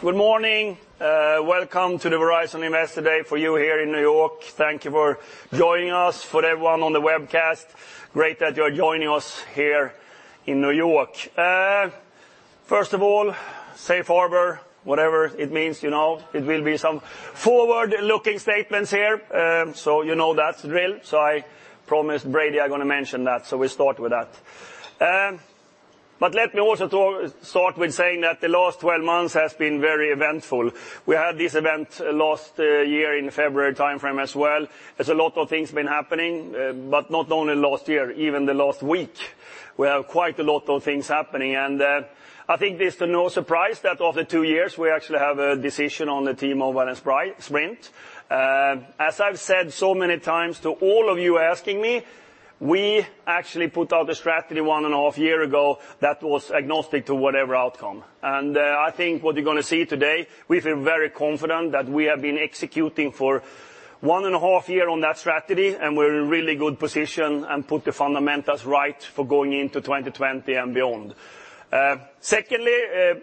Good morning. Welcome to the Verizon Investor Day for you here in New York. Thank you for joining us. For everyone on the webcast, great that you're joining us here in New York. First of all, safe harbor, whatever it means. It will be some forward-looking statements here. You know that's real. I promised Brady I'm going to mention that, we'll start with that. Let me also start with saying that the last 12 months has been very eventful. We had this event last year in February timeframe as well. There's a lot of things been happening, but not only last year, even the last week. We have quite a lot of things happening, I think it's no surprise that after two years, we actually have a decision on the T-Mobile and Sprint. As I've said so many times to all of you asking me, we actually put out a strategy 1.5 Year ago that was agnostic to whatever outcome. I think what you're going to see today, we feel very confident that we have been executing for 1.5 Year on that strategy, and we're in a really good position and put the fundamentals right for going into 2020 and beyond. Secondly,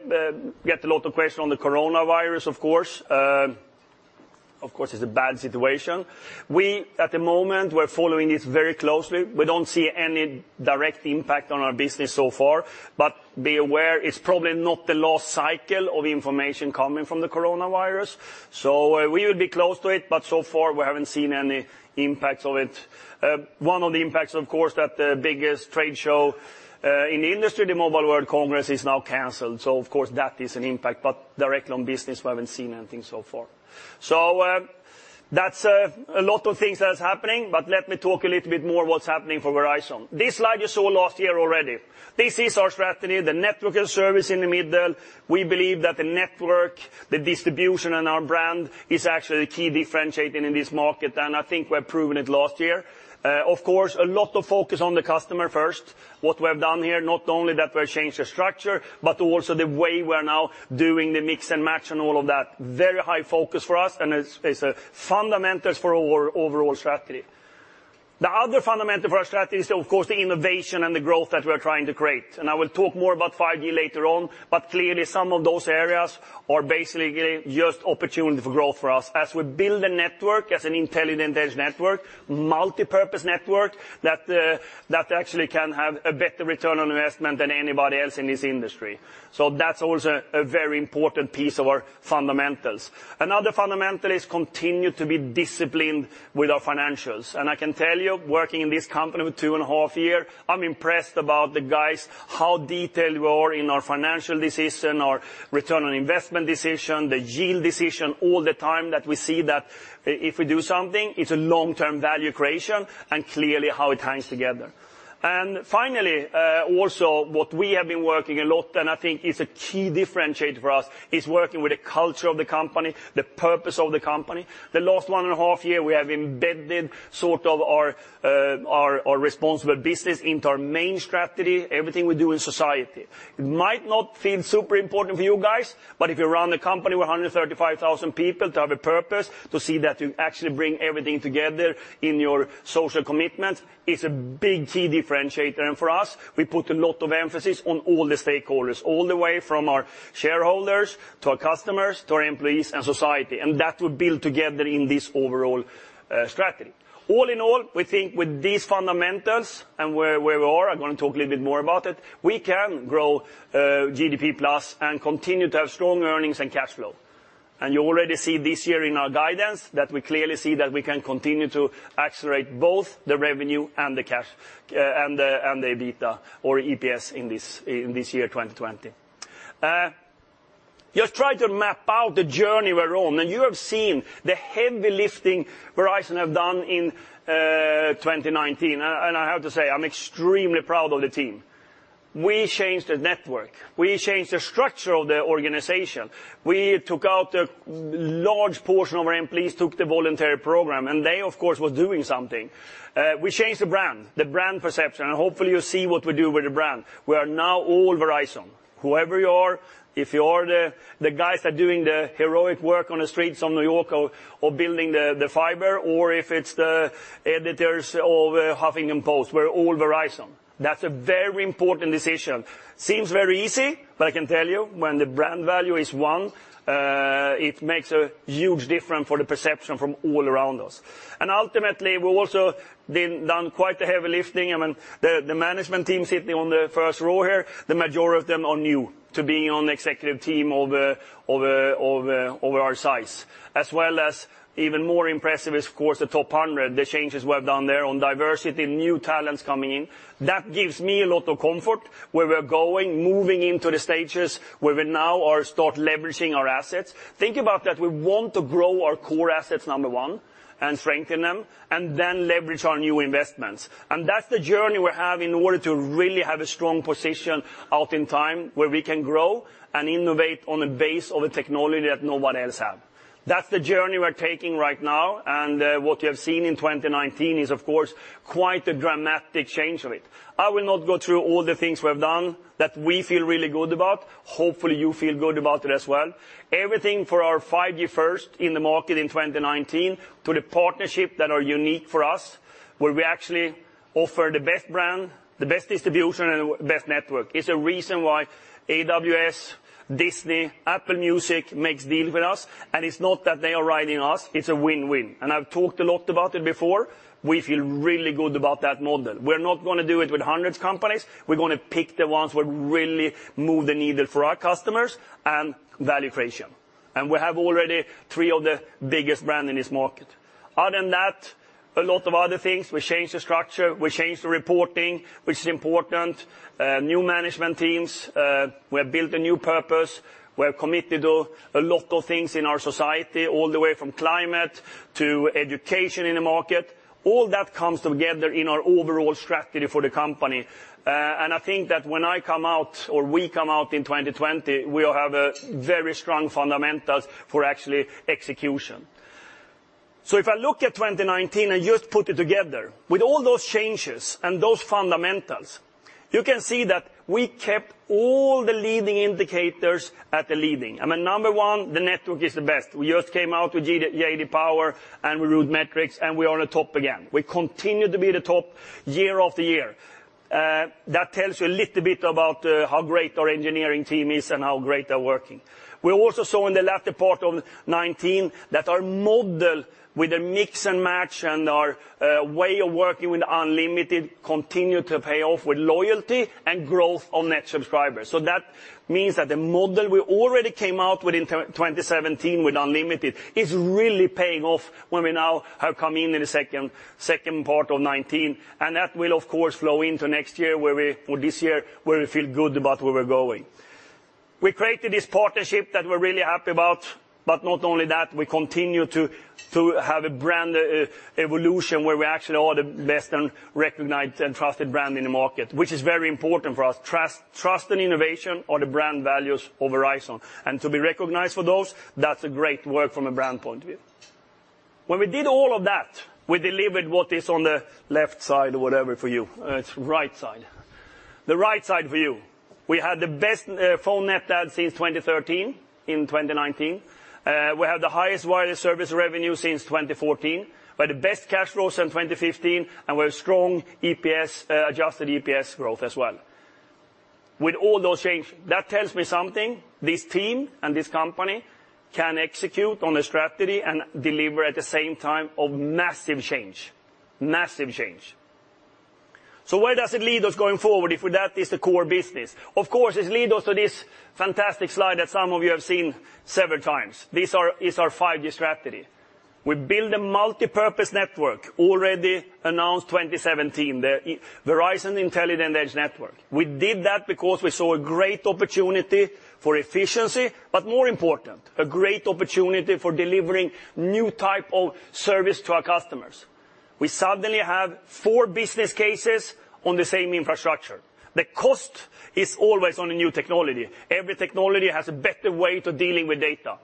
we get a lot of questions on the coronavirus, of course. Of course, it's a bad situation. We, at the moment, we're following this very closely. We don't see any direct impact on our business so far, be aware, it's probably not the last cycle of information coming from the coronavirus. We will be close to it, but so far we haven't seen any impacts of it. One of the impacts, of course, that the biggest trade show in the industry, the Mobile World Congress, is now canceled. Of course, that is an impact, but directly on business, we haven't seen anything so far. That's a lot of things that's happening, but let me talk a little bit more what's happening for Verizon. This slide you saw last year already. This is our strategy, the network and service in the middle. We believe that the network, the distribution, and our brand is actually the key differentiator in this market, and I think we've proven it last year. Of course, a lot of focus on the customer first. What we have done here, not only that we changed the structure, but also the way we're now doing the Mix & Match and all of that. Very high focus for us, and it's fundamentals for our overall strategy. The other fundamental for our strategy is, of course, the innovation and the growth that we're trying to create. I will talk more about 5G later on, but clearly some of those areas are basically just opportunity for growth for us as we build a network as a Verizon Intelligent Edge Network, multipurpose network that actually can have a better return on investment than anybody else in this industry. That's also a very important piece of our fundamentals. Another fundamental is continue to be disciplined with our financials. I can tell you, working in this company for 2.5 Years, I'm impressed about the guys, how detailed we are in our financial decision, our return on investment decision, the yield decision all the time that we see that if we do something, it's a long-term value creation, and clearly how it hangs together. Finally, also what we have been working a lot, and I think is a key differentiator for us, is working with the culture of the company, the purpose of the company. The last 1.5 years, we have embedded sort of our responsible business into our main strategy, everything we do in society. It might not feel super important for you guys, but if you run a company with 135,000 people to have a purpose to see that you actually bring everything together in your social commitment, it's a big key differentiator. For us, we put a lot of emphasis on all the stakeholders, all the way from our shareholders to our customers, to our employees and society, and that we build together in this overall strategy. All in all, we think with these fundamentals and where we are, I'm going to talk a little bit more about it, we can grow GDP-plus and continue to have strong earnings and cash flow. You already see this year in our guidance that we clearly see that we can continue to accelerate both the revenue and the cash, and the EBITDA or EPS in this year 2020. Just try to map out the journey we're on, you have seen the heavy lifting Verizon have done in 2019. I have to say, I'm extremely proud of the team. We changed the network. We changed the structure of the organization. We took out a large portion of our employees, took the voluntary separation program, and they, of course, were doing something. We changed the brand, the brand perception, and hopefully you see what we do with the brand. We are now all Verizon. Whoever you are, if you are the guys that are doing the heroic work on the streets of New York or building the fiber, or if it's the editors of HuffPost, we're all Verizon. That's a very important decision. Seems very easy, I can tell you, when the brand value is one, it makes a huge difference for the perception from all around us. Ultimately, we've also done quite the heavy lifting. I mean, the management team sitting on the first row here, the majority of them are new to being on the executive team of our size. As well as even more impressive is, of course, the top 100, the changes we have done there on diversity, new talents coming in. That gives me a lot of comfort where we're going, moving into the stages where we now are start leveraging our assets. Think about that. We want to grow our core assets, number one, and strengthen them, and then leverage our new investments. That's the journey we have in order to really have a strong position out in time where we can grow and innovate on a base of a technology that no one else have. That's the journey we're taking right now, and what you have seen in 2019 is, of course, quite a dramatic change of it. I will not go through all the things we have done that we feel really good about. Hopefully you feel good about it as well. Everything for our 5G first in the market in 2019 to the partnership that are unique for us, where we actually offer the best brand, the best distribution, and the best network. It's a reason why AWS, Disney, Apple Music makes deals with us, and it's not that they are riding us, it's a win-win. I've talked a lot about it before. We feel really good about that model. We're not going to do it with hundreds companies. We're going to pick the ones which really move the needle for our customers and value creation. We have already three of the biggest brands in this market. Other than that, a lot of other things. We changed the structure, we changed the reporting, which is important. New management teams. We have built a new purpose. We are committed to a lot of things in our society, all the way from climate to education in the market. All that comes together in our overall strategy for the company. I think that when I come out, or we come out in 2020, we'll have very strong fundamentals for actually execution. If I look at 2019 and just put it together, with all those changes and those fundamentals, you can see that we kept all the leading indicators at the leading. I mean, number one, the network is the best. We just came out with J.D. Power and RootMetrics, and we are on the top again. We continue to be at the top year after year. That tells you a little bit about how great our engineering team is and how great they're working. We also saw in the latter part of 2019 that our model with a Mix-and-Match and our way of working with unlimited continued to pay off with loyalty and growth on net subscribers. That means that the model we already came out with in 2017 with unlimited is really paying off when we now have come in in the second part of 2019. That will, of course, flow into this year, where we feel good about where we're going. We created this partnership that we're really happy about. Not only that, we continue to have a brand evolution where we actually are the best and recognized and trusted brand in the market, which is very important for us. Trust and innovation are the brand values of Verizon. To be recognized for those, that's great work from a brand point of view. When we did all of that, we delivered what is on the left side or whatever for you. It's right side. The right side view. We had the best phone net adds since 2013 in 2019. We had the highest wireless service revenue since 2014. We had the best cash flow since 2015, and we have strong adjusted EPS growth as well. With all those changes, that tells me something. This team and this company can execute on a strategy and deliver at the same time of massive change. Massive change. Where does it lead us going forward if that is the core business? Of course, it leads us to this fantastic slide that some of you have seen several times. This is our 5G strategy. We build a multipurpose network, already announced 2017, the Verizon Intelligent Edge Network. We did that because we saw a great opportunity for efficiency, but more important, a great opportunity for delivering new type of service to our customers. We suddenly have four business cases on the same infrastructure. The cost is always on a new technology. Every technology has a better way to dealing with data.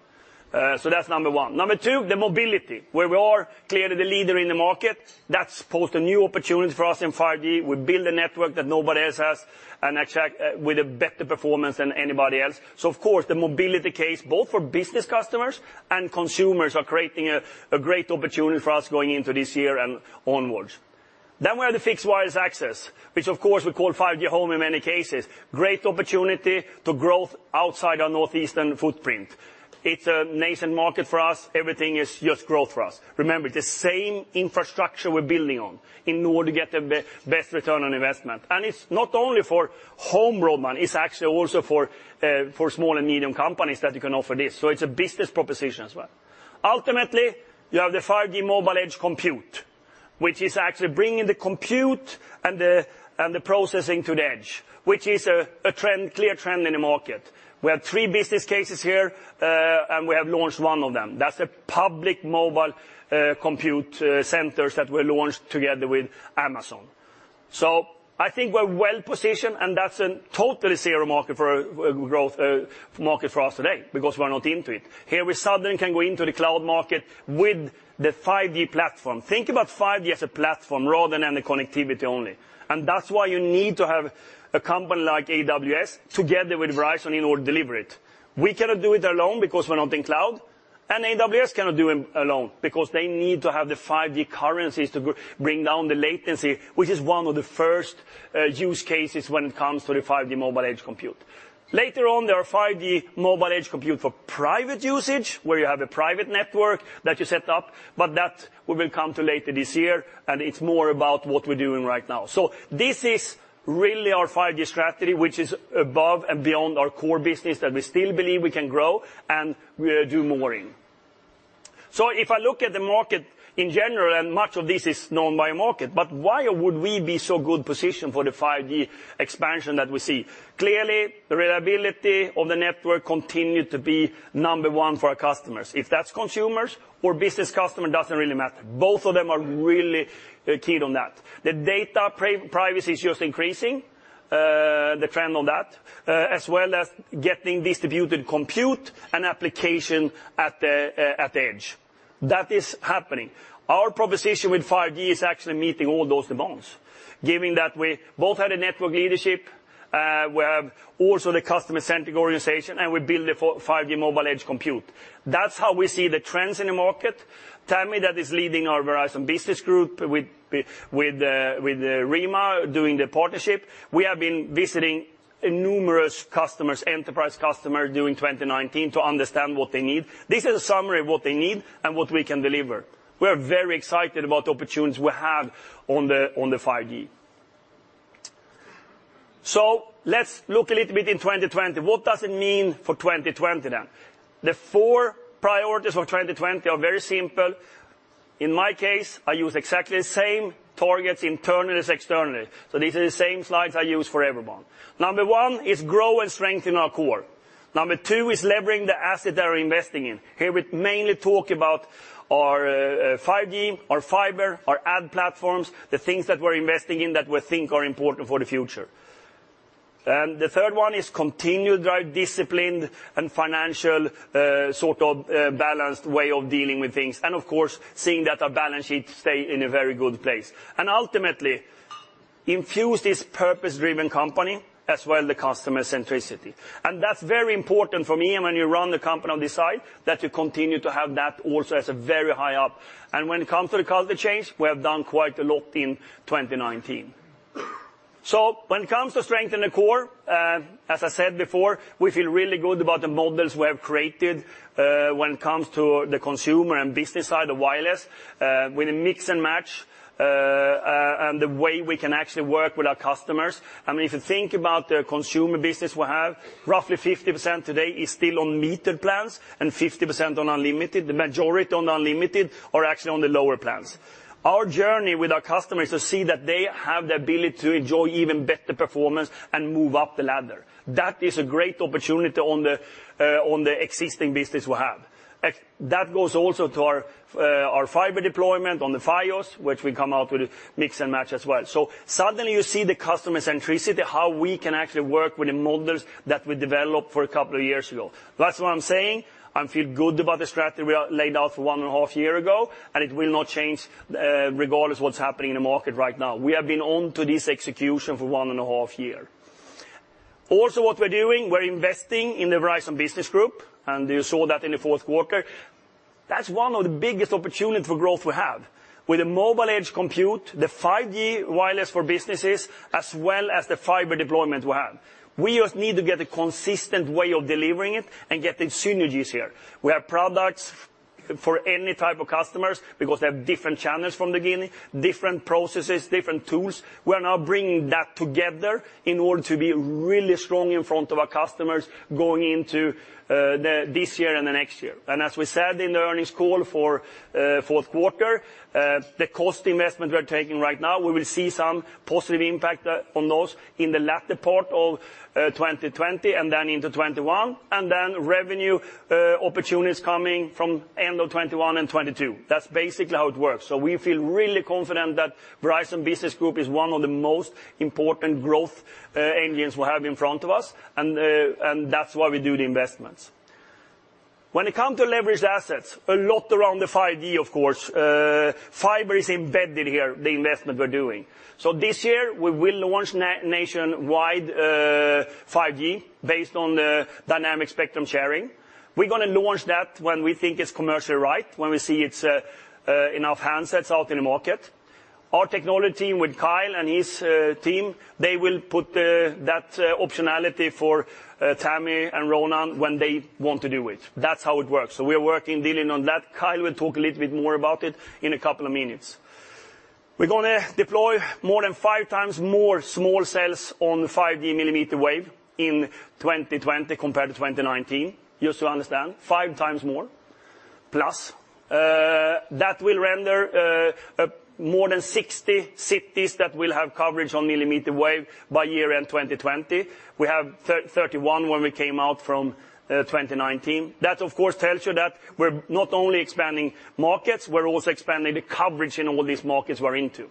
That's number one. Number two, the mobility, where we are clearly the leader in the market. That's posed a new opportunity for us in 5G. We build a network that nobody else has and with a better performance than anybody else. Of course, the mobility case both for business customers and consumers are creating a great opportunity for us going into this year and onwards. We have the fixed wireless access, which of course we call 5G Home in many cases. Great opportunity to growth outside our Northeastern footprint. It's a nascent market for us. Everything is just growth for us. Remember, the same infrastructure we're building on in order to get the best return on investment. It's not only for home broadband, it's actually also for small and medium companies that you can offer this. It's a business proposition as well. Ultimately, you have the 5G Mobile Edge Compute, which is actually bringing the compute and the processing to the edge, which is a clear trend in the market. We have three business cases here, and we have launched one of them. That's the public mobile compute centers that we launched together with Amazon. I think we're well-positioned, and that's a totally zero market for growth for us today because we're not into it. Here we suddenly can go into the cloud market with the 5G platform. Think about 5G as a platform rather than a connectivity only. That's why you need to have a company like AWS together with Verizon in order to deliver it. We cannot do it alone because we're not in cloud. AWS cannot do it alone because they need to have the 5G currencies to bring down the latency, which is one of the first use cases when it comes to the 5G Mobile Edge Compute. Later on, there are 5G Mobile Edge Compute for private usage, where you have a private network that you set up, but that we will come to later this year, and it's more about what we're doing right now. This is really our 5G strategy, which is above and beyond our core business that we still believe we can grow and we'll do more in. If I look at the market in general, and much of this is known by market, but why would we be so good positioned for the 5G expansion that we see? Clearly, the reliability of the network continued to be number one for our customers. If that's consumers or business customer, doesn't really matter. Both of them are really keen on that. The data privacy is just increasing, the trend on that, as well as getting distributed compute and application at the edge. That is happening. Our proposition with 5G is actually meeting all those demands, given that we both had a network leadership, we have also the customer-centric organization, and we build the 5G Mobile Edge Compute. That's how we see the trends in the market. Tami, that is leading our Verizon Business Group with Rima doing the partnership. We have been visiting numerous enterprise customers during 2019 to understand what they need. This is a summary of what they need and what we can deliver. We are very excited about the opportunities we have on the 5G. Let's look a little bit in 2020. What does it mean for 2020 then? The four priorities for 2020 are very simple. In my case, I use exactly the same targets internally as externally. These are the same slides I use for everyone. Number one is grow and strengthen our core. Number two is levering the asset that we're investing in. Here, we mainly talk about our 5G, our fiber, our ad platforms, the things that we're investing in that we think are important for the future. The third one is continue drive disciplined and financial balanced way of dealing with things. Of course, seeing that our balance sheet stay in a very good place. Ultimately, infuse this purpose-driven company, as well the customer centricity. That's very important for me, and when you run the company on this side, that you continue to have that also as a very high up. When it comes to the culture change, we have done quite a lot in 2019. When it comes to strengthen the core, as I said before, we feel really good about the models we have created, when it comes to the consumer and business side of wireless, with a Mix & Match, and the way we can actually work with our customers. If you think about the consumer business we have, roughly 50% today is still on metered plans, and 50% on unlimited. The majority on unlimited are actually on the lower plans. Our journey with our customers to see that they have the ability to enjoy even better performance and move up the ladder. That is a great opportunity on the existing business we have. That goes also to our fiber deployment on the Fios, which we come out with Mix & Match as well. Suddenly you see the customer centricity, how we can actually work with the models that we developed for a couple of years ago. That's what I'm saying. I feel good about the strategy we laid out for 1.5 Year ago, it will not change regardless what's happening in the market right now. We have been on to this execution for 1.5 Year. What we're doing, we're investing in the Verizon Business Group, you saw that in the fourth quarter. That's one of the biggest opportunity for growth we have. With the mobile edge compute, the 5G wireless for businesses, as well as the fiber deployment we have. We just need to get a consistent way of delivering it and get the synergies here. We have products for any type of customers because they have different channels from the beginning, different processes, different tools. We are now bringing that together in order to be really strong in front of our customers going into this year and the next year. As we said in the earnings call for fourth quarter, the cost investment we're taking right now, we will see some positive impact on those in the latter part of 2020 and then into 2021, then revenue opportunities coming from end of 2021 and 2022. That's basically how it works. We feel really confident that Verizon Business Group is one of the most important growth engines we have in front of us. That's why we do the investments. When it come to leverage assets, a lot around the 5G, of course. Fiber is embedded here, the investment we're doing. This year, we will launch nationwide 5G based on the Dynamic Spectrum Sharing. We're going to launch that when we think it's commercially right, when we see it's enough handsets out in the market. Our technology with Kyle and his team, they will put that optionality for Tami and Ronan when they want to do it. That's how it works. We're working, dealing on that. Kyle will talk a little bit more about it in a couple of minutes. We're going to deploy more than 5x more small cells on 5G millimeter wave in 2020 compared to 2019. Just to understand, 5x+ more. That will render more than 60 cities that will have coverage on millimeter wave by year-end 2020. We have 31 markets when we came out from 2019. That of course, tells you that we're not only expanding markets, we're also expanding the coverage in all these markets we're into.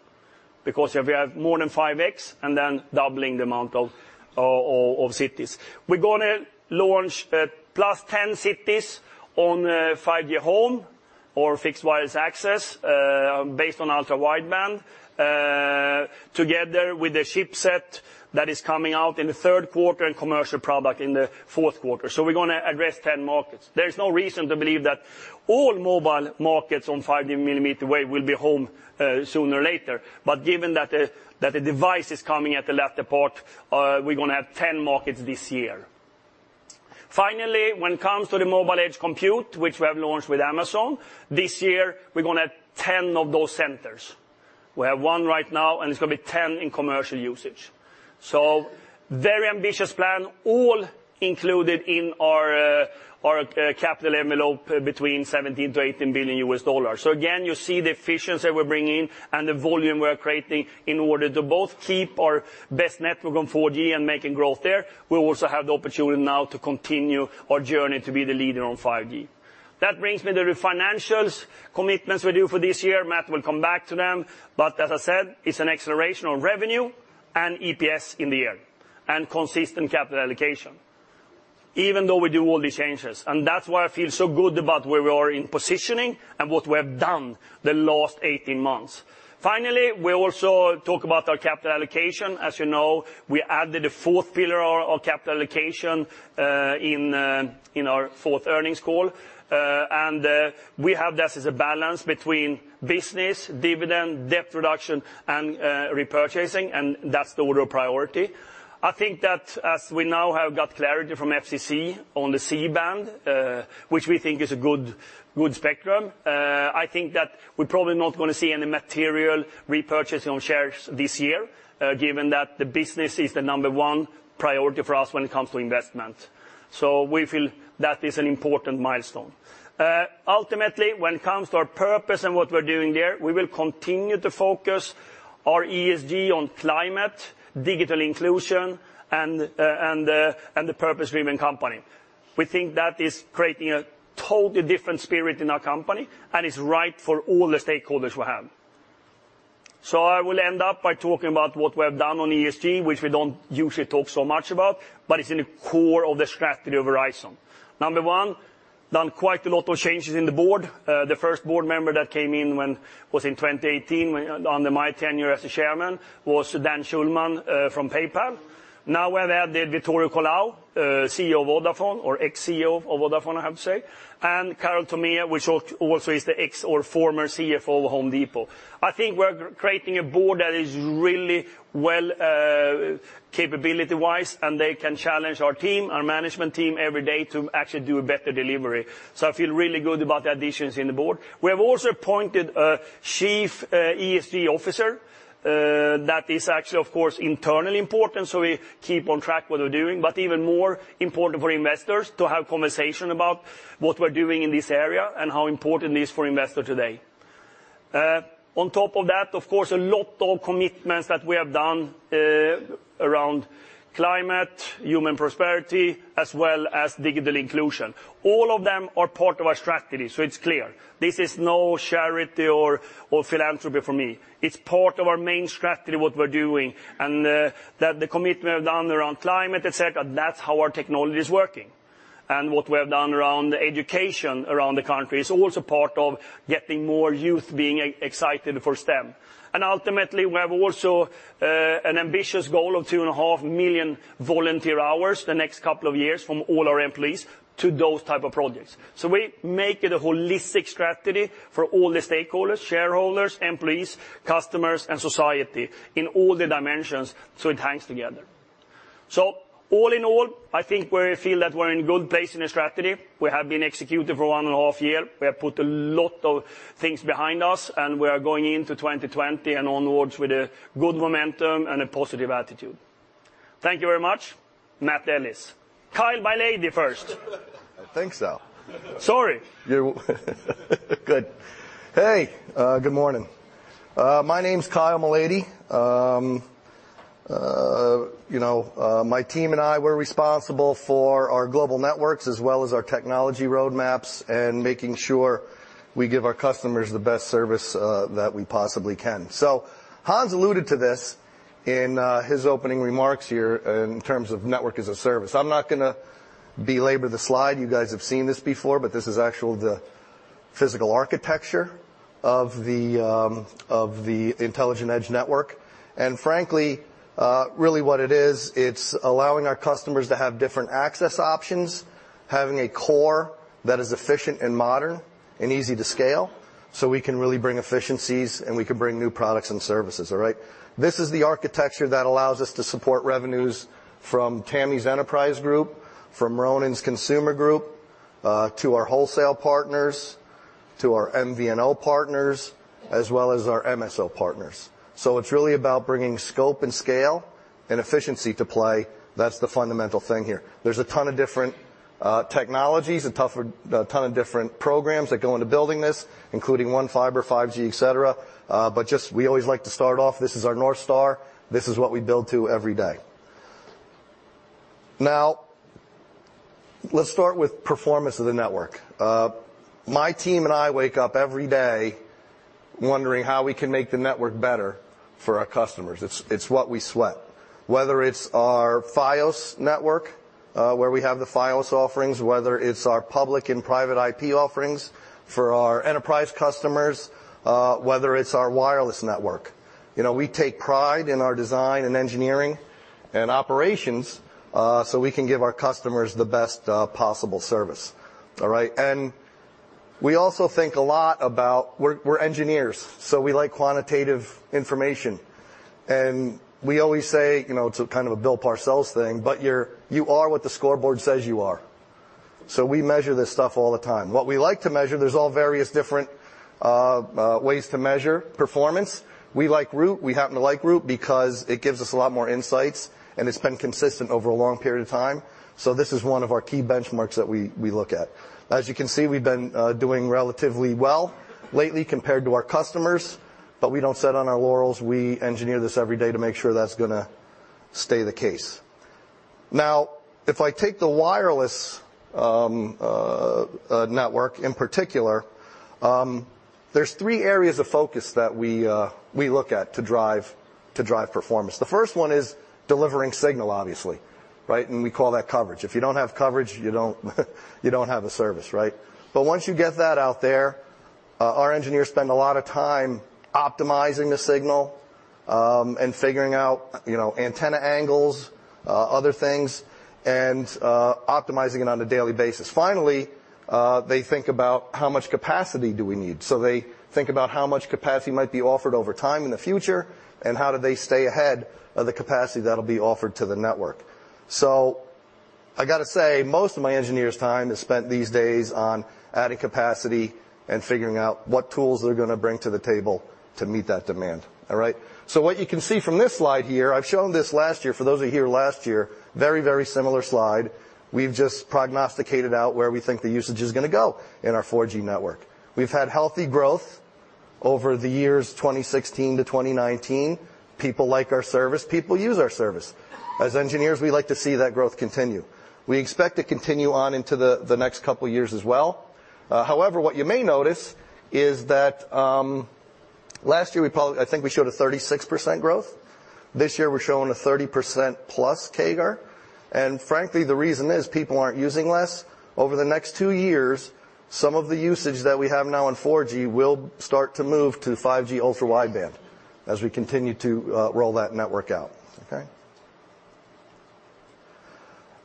Because if we have more than 5x and then doubling the amount of cities. We're going to launch +10 cities on 5G Home or fixed wireless access, based on Ultra Wideband, together with the chipset that is coming out in the third quarter and commercial product in the fourth quarter. We're going to address 10 markets. There's no reason to believe that all mobile markets on 5G millimeter wave will be home sooner or later. Given that the device is coming at the latter part, we're going to have 10 markets this year. Finally, when it comes to the mobile edge compute, which we have launched with Amazon, this year, we're going to have 10 of those centers. We have one right now, and it's going to be 10 centers in commercial usage. Very ambitious plan, all included in our capital envelope between $17 billion-$18 billion. Again, you see the efficiency we're bringing and the volume we're creating in order to both keep our best network on 4G and making growth there. We also have the opportunity now to continue our journey to be the leader on 5G. That brings me to the financials commitments we do for this year. Matt will come back to them. As I said, it's an acceleration of revenue and EPS in the year and consistent capital allocation, even though we do all these changes. That's why I feel so good about where we are in positioning and what we have done the last 18 months. Finally, we also talk about our capital allocation. As you know, we added a fourth pillar of capital allocation in our fourth earnings call. We have this as a balance between business, dividend, debt reduction, and repurchasing, and that's the order of priority. I think that as we now have got clarity from FCC on the C-band, which we think is a good spectrum, I think that we're probably not going to see any material repurchasing on shares this year, given that the business is the number 1 priority for us when it comes to investment. We feel that is an important milestone. Ultimately, when it comes to our purpose and what we're doing there, we will continue to focus our ESG on climate, digital inclusion, and the purpose-driven company. We think that is creating a totally different spirit in our company, and it's right for all the stakeholders we have. I will end up by talking about what we have done on ESG, which we don't usually talk so much about, but it's in the core of the strategy of Verizon. Number one, done quite a lot of changes in the board. The first board member that came in was in 2018, under my tenure as the chairman, was Dan Schulman from PayPal. Now we've added Vittorio Colao, Chief Executive Officer of Vodafone, or ex-Chief Executive Officer of Vodafone, I have to say, and Carol Tomé, which also is the ex or former Chief Financial Officer of Home Depot. I think we're creating a board that is really well capability-wise, and they can challenge our team, our management team every day to actually do a better delivery. I feel really good about the additions in the board. We have also appointed a Environmental, Social, and Governance Officer. That is actually, of course, internally important, so we keep on track what we're doing, but even more important for investors to have conversation about what we're doing in this area and how important it is for investors today. On top of that, of course, a lot of commitments that we have done around climate, human prosperity, as well as digital inclusion. All of them are part of our strategy, so it's clear. This is no charity or philanthropy for me. It's part of our main strategy, what we're doing. The commitment we have done around climate, et cetera, that's how our technology is working. What we have done around education around the country is also part of getting more youth being excited for STEM. Ultimately, we have also an ambitious goal of 2.5 million volunteer hours the next couple of years from all our employees to those type of projects. We make it a holistic strategy for all the stakeholders, shareholders, employees, customers, and society in all the dimensions so it hangs together. All in all, I think we feel that we're in good place in the strategy. We have been executed for 1.5 year. We have put a lot of things behind us, and we are going into 2020 and onwards with a good momentum and a positive attitude. Thank you very much. Matt Ellis. Kyle Malady first. I think so. Sorry. Good. Hey, good morning. My name's Kyle Malady. My team and I, we're responsible for our global networks as well as our technology roadmaps and making sure we give our customers the best service that we possibly can. Hans alluded to this in his opening remarks here in terms of network as a service. I'm not going to belabor the slide. You guys have seen this before, but this is actual the physical architecture of the Intelligent Edge Network. Frankly, really what it is, it's allowing our customers to have different access options, having a core that is efficient and modern and easy to scale so we can really bring efficiencies and we can bring new products and services. All right? This is the architecture that allows us to support revenues from Tami's enterprise group, from Ronan's consumer group, to our wholesale partners, to our MVNO partners, as well as our MSO partners. It's really about bringing scope and scale and efficiency to play. That's the fundamental thing here. There's a ton of different technologies, a ton of different programs that go into building this, including One Fiber, 5G, et cetera. We always like to start off, this is our North Star. This is what we build to every day. Now, let's start with performance of the network. My team and I wake up every day wondering how we can make the network better for our customers. It's what we sweat. Whether it's our Fios network, where we have the Fios offerings, whether it's our public and private IP offerings for our enterprise customers, whether it's our wireless network. We take pride in our design and engineering and operations, so we can give our customers the best possible service. All right? We also think a lot about, we're engineers, so we like quantitative information. We always say, it's a kind of a Bill Parcells thing, but you are what the scoreboard says you are. We measure this stuff all the time. What we like to measure, there's all various different ways to measure performance. We like Root. We happen to like Root because it gives us a lot more insights, and it's been consistent over a long period of time. This is one of our key benchmarks that we look at. As you can see, we've been doing relatively well lately compared to our customers, but we don't sit on our laurels. We engineer this every day to make sure that's going to stay the case. If I take the wireless network in particular, there's three areas of focus that we look at to drive performance. The first one is delivering signal, obviously. Right? We call that coverage. If you don't have coverage, you don't have a service, right? Once you get that out there, our engineers spend a lot of time optimizing the signal, and figuring out antenna angles, other things, and optimizing it on a daily basis. Finally, they think about how much capacity do we need. They think about how much capacity might be offered over time in the future, and how do they stay ahead of the capacity that'll be offered to the network. I got to say, most of my engineers' time is spent these days on adding capacity and figuring out what tools they're going to bring to the table to meet that demand. All right? What you can see from this slide here, I've shown this last year, for those of you here last year, very similar slide. We've just prognosticated out where we think the usage is going to go in our 4G network. We've had healthy growth over the years 2016-2019. People like our service. People use our service. As engineers, we like to see that growth continue. We expect to continue on into the next couple of years as well. What you may notice is that, last year, I think we showed a 36% growth. This year, we're showing a 30%+ CAGR. Frankly, the reason is people aren't using less. Over the next two years, some of the usage that we have now on 4G will start to move to 5G Ultra Wideband, as we continue to roll that network out.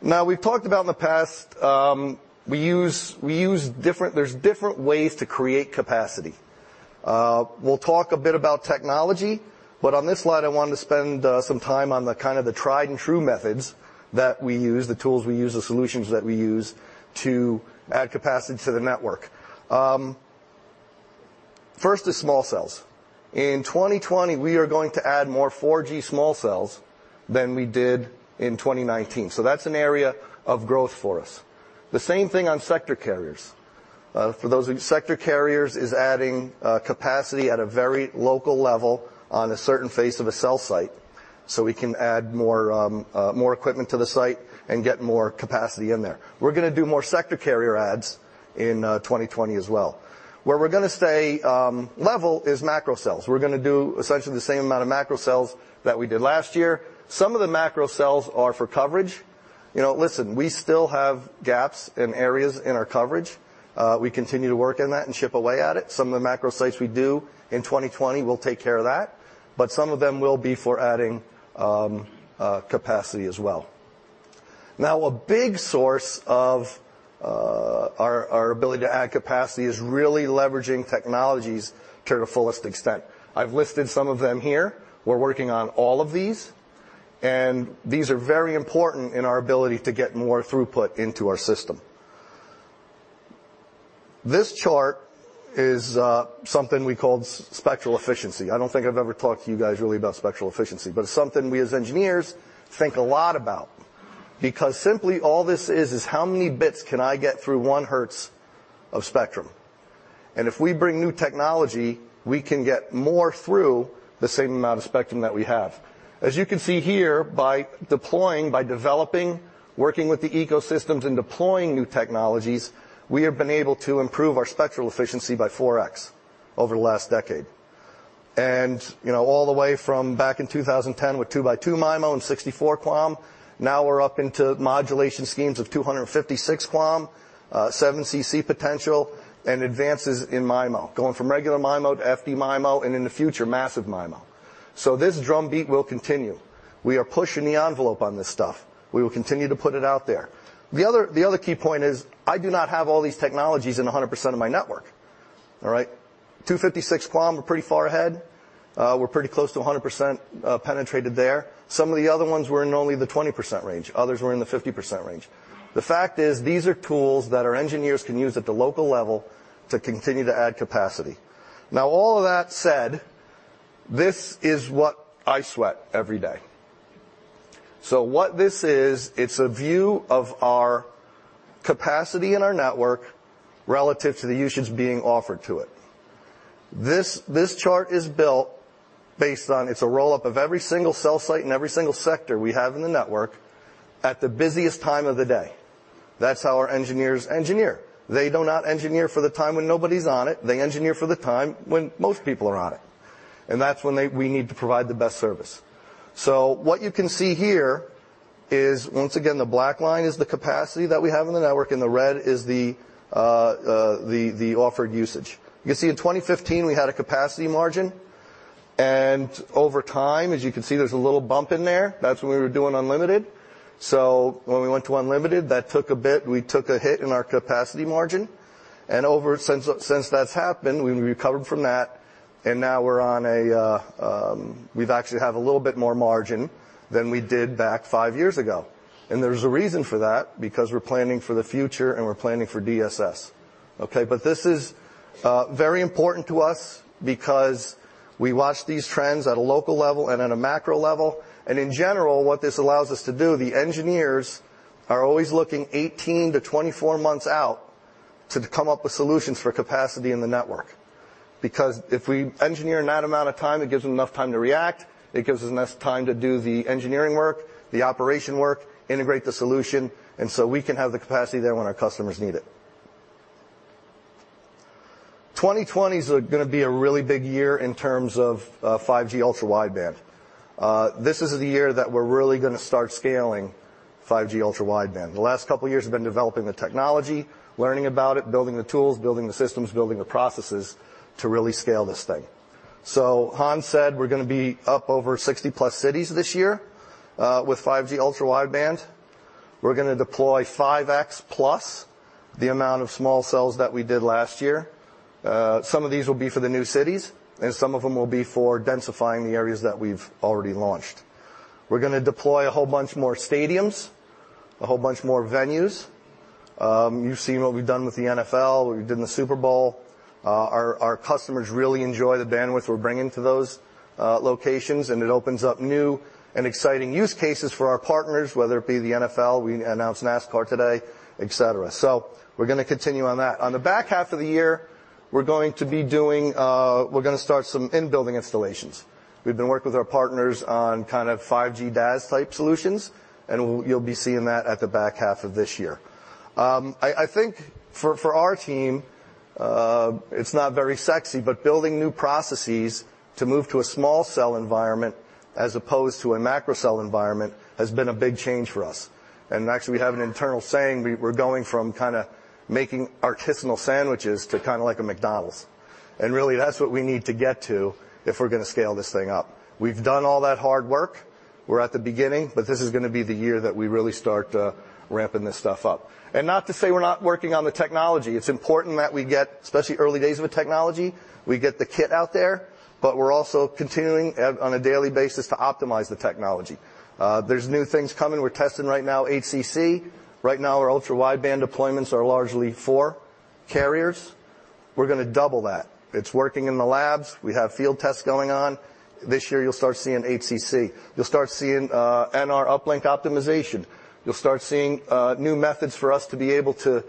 Okay? We've talked about in the past, there's different ways to create capacity. We'll talk a bit about technology, on this slide, I wanted to spend some time on the tried-and-true methods that we use, the tools we use, the solutions that we use to add capacity to the network. First is small cells. In 2020, we are going to add more 4G small cells than we did in 2019. That's an area of growth for us. The same thing on sector carriers. For those, sector carriers is adding capacity at a very local level on a certain face of a cell site, so we can add more equipment to the site and get more capacity in there. We're going to do more sector carrier adds in 2020 as well. Where we're going to stay level is macro cells. We're going to do essentially the same amount of macro cells that we did last year. Some of the macro cells are for coverage. Listen, we still have gaps in areas in our coverage. We continue to work in that and chip away at it. Some of the macro sites we do in 2020 will take care of that, but some of them will be for adding capacity as well. Now, a big source of our ability to add capacity is really leveraging technologies to the fullest extent. I've listed some of them here. We're working on all of these, and these are very important in our ability to get more throughput into our system. This chart is something we call spectral efficiency. I don't think I've ever talked to you guys really about spectral efficiency. It's something we, as engineers, think a lot about, because simply all this is how many bits can I get through 1 Hz of spectrum. If we bring new technology, we can get more through the same amount of spectrum that we have. As you can see here, by deploying, by developing, working with the ecosystems and deploying new technologies, we have been able to improve our spectral efficiency by 4x over the last decade. All the way from back in 2010 with 2x2 MIMO and 64 QAM, now we're up into modulation schemes of 256 QAM, 7CC potential, and advances in MIMO. Going from regular MIMO to FD-MIMO and, in the future, Massive MIMO. This drumbeat will continue. We are pushing the envelope on this stuff. We will continue to put it out there. The other key point is, I do not have all these technologies in 100% of my network. All right? 256 QAM, we're pretty far ahead. We're pretty close to 100% penetrated there. Some of the other ones were in only the 20% range, others were in the 50% range. The fact is, these are tools that our engineers can use at the local level to continue to add capacity. All of that said, this is what I sweat every day. What this is, it's a view of our capacity in our network relative to the usage being offered to it. This chart is built based on, it's a roll-up of every single cell site and every single sector we have in the network at the busiest time of the day. That's how our engineers engineer. They do not engineer for the time when nobody's on it. They engineer for the time when most people are on it, and that's when we need to provide the best service. What you can see here is, once again, the black line is the capacity that we have in the network, and the red is the offered usage. You can see in 2015, we had a capacity margin, and over time, as you can see, there's a little bump in there. That's when we were doing unlimited. When we went to unlimited, we took a hit in our capacity margin. Ever since that's happened, we've recovered from that, and now we've actually have a little bit more margin than we did back five years ago. There's a reason for that, because we're planning for the future and we're planning for DSS. Okay? This is very important to us because we watch these trends at a local level and at a macro level. In general, what this allows us to do, the engineers are always looking 18 months-24 months out to come up with solutions for capacity in the network. If we engineer in that amount of time, it gives them enough time to react, it gives us enough time to do the engineering work, the operation work, integrate the solution, and so we can have the capacity there when our customers need it. 2020 is going to be a really big year in terms of 5G Ultra Wideband. This is the year that we're really going to start scaling 5G Ultra Wideband. The last couple of years have been developing the technology, learning about it, building the tools, building the systems, building the processes to really scale this thing. Hans said we're going to be up over 60+ cities this year with 5G Ultra Wideband. We're going to deploy 5x+ the amount of small cells that we did last year. Some of these will be for the new cities, and some of them will be for densifying the areas that we've already launched. We're going to deploy a whole bunch more stadiums, a whole bunch more venues. You've seen what we've done with the NFL, what we did in the Super Bowl. Our customers really enjoy the bandwidth we're bringing to those locations, and it opens up new and exciting use cases for our partners, whether it be the NFL, we announced NASCAR today, et cetera. We're going to continue on that. On the back half of the year, we're going to start some in-building installations. We've been working with our partners on kind of 5G DAS-type solutions, and you'll be seeing that at the back half of this year. I think for our team, it's not very sexy, but building new processes to move to a small cell environment as opposed to a macro cell environment has been a big change for us. Actually, we have an internal saying, we're going from making artisanal sandwiches to like a McDonald's. Really, that's what we need to get to if we're going to scale this thing up. We've done all that hard work. We're at the beginning, but this is going to be the year that we really start ramping this stuff up. Not to say we're not working on the technology. It's important that we get, especially early days of a technology, we get the kit out there, but we're also continuing on a daily basis to optimize the technology. There's new things coming. We're testing right now 7CC. Right now, our Ultra Wideband deployments are largely for carriers. We're going to double that. It's working in the labs. We have field tests going on. This year, you'll start seeing 8CC. You'll start seeing NR uplink optimization. You'll start seeing new methods for us to be able to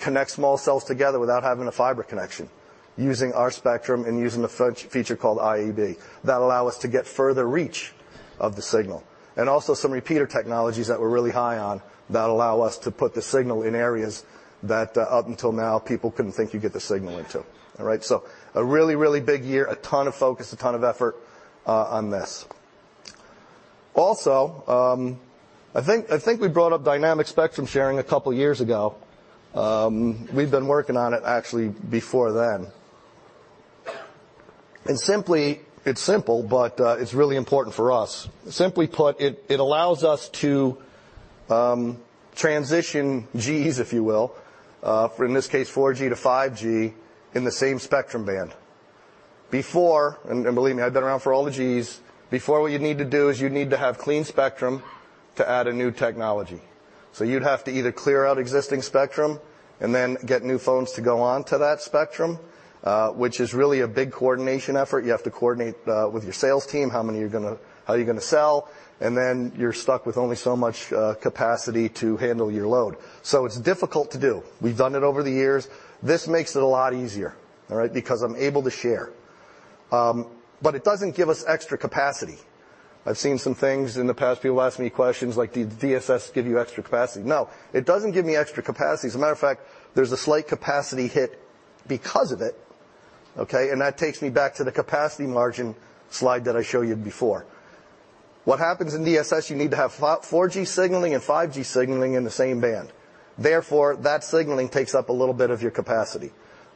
connect small cells together without having a fiber connection, using our spectrum and using a feature called IAB that allow us to get further reach of the signal. Also some repeater technologies that we're really high on that allow us to put the signal in areas that up until now, people couldn't think you'd get the signal into. All right? A really, really big year. A ton of focus, a ton of effort on this. Also, I think we brought up Dynamic Spectrum Sharing a couple of years ago. We've been working on it actually before then. It's simple, but it's really important for us. Simply put, it allows us to transition Gs, if you will, in this case 4G-5G in the same spectrum band. Before, and believe me, I've been around for all the Gs. Before, what you'd need to do is you'd need to have clean spectrum to add a new technology. You'd have to either clear out existing spectrum and then get new phones to go onto that spectrum, which is really a big coordination effort. You have to coordinate with your sales team how you're going to sell, and then you're stuck with only so much capacity to handle your load. It's difficult to do. We've done it over the years. This makes it a lot easier. All right. Because I'm able to share. It doesn't give us extra capacity. I've seen some things in the past, people ask me questions like, "Do DSS give you extra capacity?" It doesn't give me extra capacity. As a matter of fact, there's a slight capacity hit because of it. Okay? That takes me back to the capacity margin slide that I showed you before. What happens in DSS, you need to have 4G signaling and 5G signaling in the same band. Therefore, that signaling takes up a little bit of your capacity.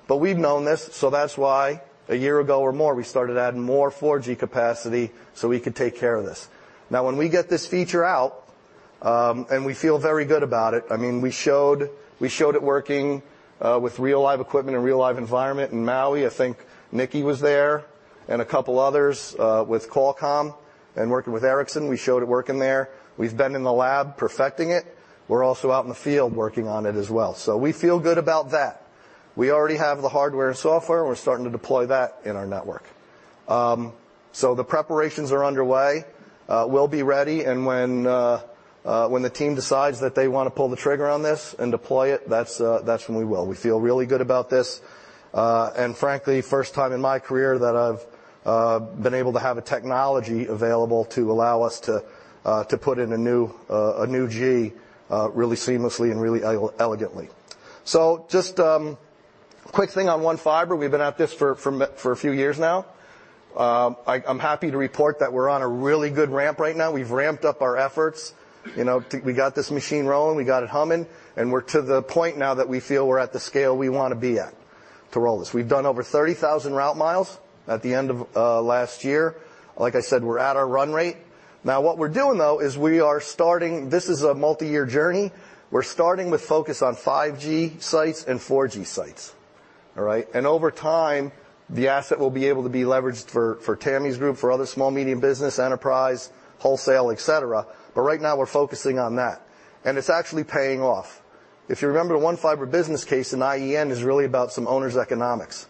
We've known this, so that's why a year ago or more, we started adding more 4G capacity so we could take care of this. When we get this feature out, and we feel very good about it. We showed it working with real live equipment and real live environment in Maui. I think Nicki was there and a couple of others with Qualcomm and working with Ericsson. We showed it working there. We've been in the lab perfecting it. We're also out in the field working on it as well. We feel good about that. We already have the hardware and software, and we're starting to deploy that in our network. The preparations are underway. We'll be ready, and when the team decides that they want to pull the trigger on this and deploy it, that's when we will. We feel really good about this. Frankly, first time in my career that I've been able to have a technology available to allow us to put in a new G really seamlessly and really elegantly. Just quick thing on One Fiber. We've been at this for a few years now. I'm happy to report that we're on a really good ramp right now. We've ramped up our efforts. We got this machine rolling, we got it humming, and we're to the point now that we feel we're at the scale we want to be at to roll this. We've done over 30,000 route mi at the end of last year. Like I said, we're at our run rate. What we're doing, though, is we are starting. This is a multi-year journey. We're starting with focus on 5G sites and 4G sites. All right? Over time, the asset will be able to be leveraged for Tami's group, for other small, medium business, enterprise, wholesale, et cetera. Right now, we're focusing on that. It's actually paying off. If you remember, the One Fiber business case in IEN is really about some owner's economics.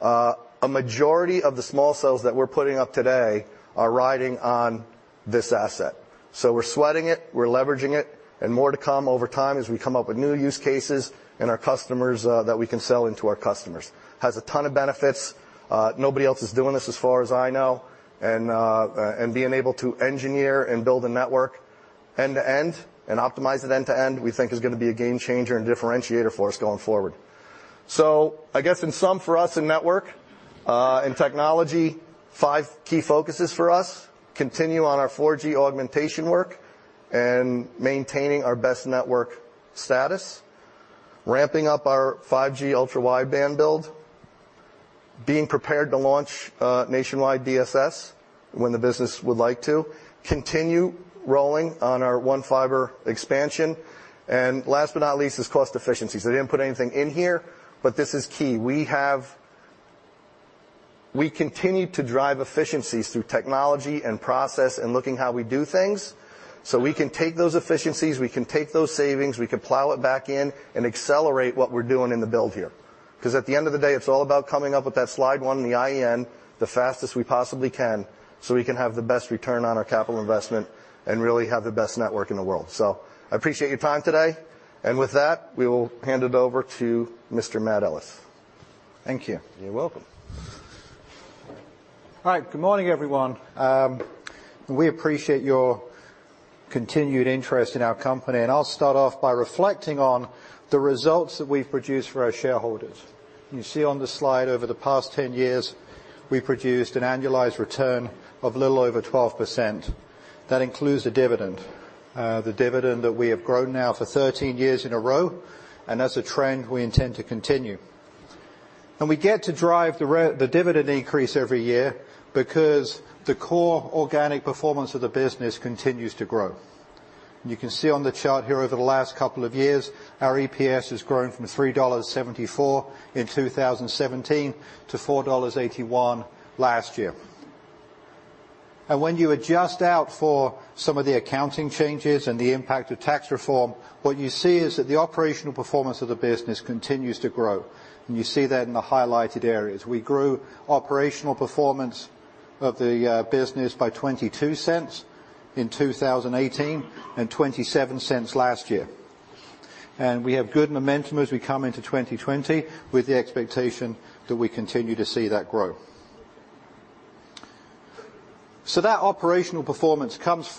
A majority of the small cells that we're putting up today are riding on this asset. We're sweating it, we're leveraging it, and more to come over time as we come up with new use cases that we can sell into our customers. It has a ton of benefits. Nobody else is doing this as far as I know. Being able to engineer and build a network end-to-end, and optimize it end-to-end, we think is going to be a game changer and differentiator for us going forward. I guess in sum for us in network, in technology, five key focuses for us. Continue on our 4G augmentation work and maintaining our best network status. Ramping up our 5G Ultra Wideband build. Being prepared to launch nationwide DSS when the business would like to. Continue rolling on our One Fiber expansion. Last but not least is cost efficiencies. I didn't put anything in here, but this is key. We continue to drive efficiencies through technology and process and looking how we do things, so we can take those efficiencies, we can take those savings, we can plow it back in and accelerate what we're doing in the build here. Because at the end of the day, it's all about coming up with that slide one in the IEN the fastest we possibly can so we can have the best return on our capital investment and really have the best network in the world. I appreciate your time today. With that, we will hand it over to Mr. Matt Ellis. Thank you. You're welcome. All right. Good morning, everyone. We appreciate your continued interest in our company, and I'll start off by reflecting on the results that we've produced for our shareholders. You see on the slide over the past 10 years, we've produced an annualized return of a little over 12%. That includes the dividend. The dividend that we have grown now for 13 years in a row, and that's a trend we intend to continue. We get to drive the dividend increase every year because the core organic performance of the business continues to grow. You can see on the chart here over the last couple of years, our EPS has grown from $3.74 in 2017 to $4.81 last year. When you adjust out for some of the accounting changes and the impact of tax reform, what you see is that the operational performance of the business continues to grow, and you see that in the highlighted areas. We grew operational performance of the business by $0.22 in 2018 and $0.27 last year. We have good momentum as we come into 2020 with the expectation that we continue to see that growth. That operational performance starts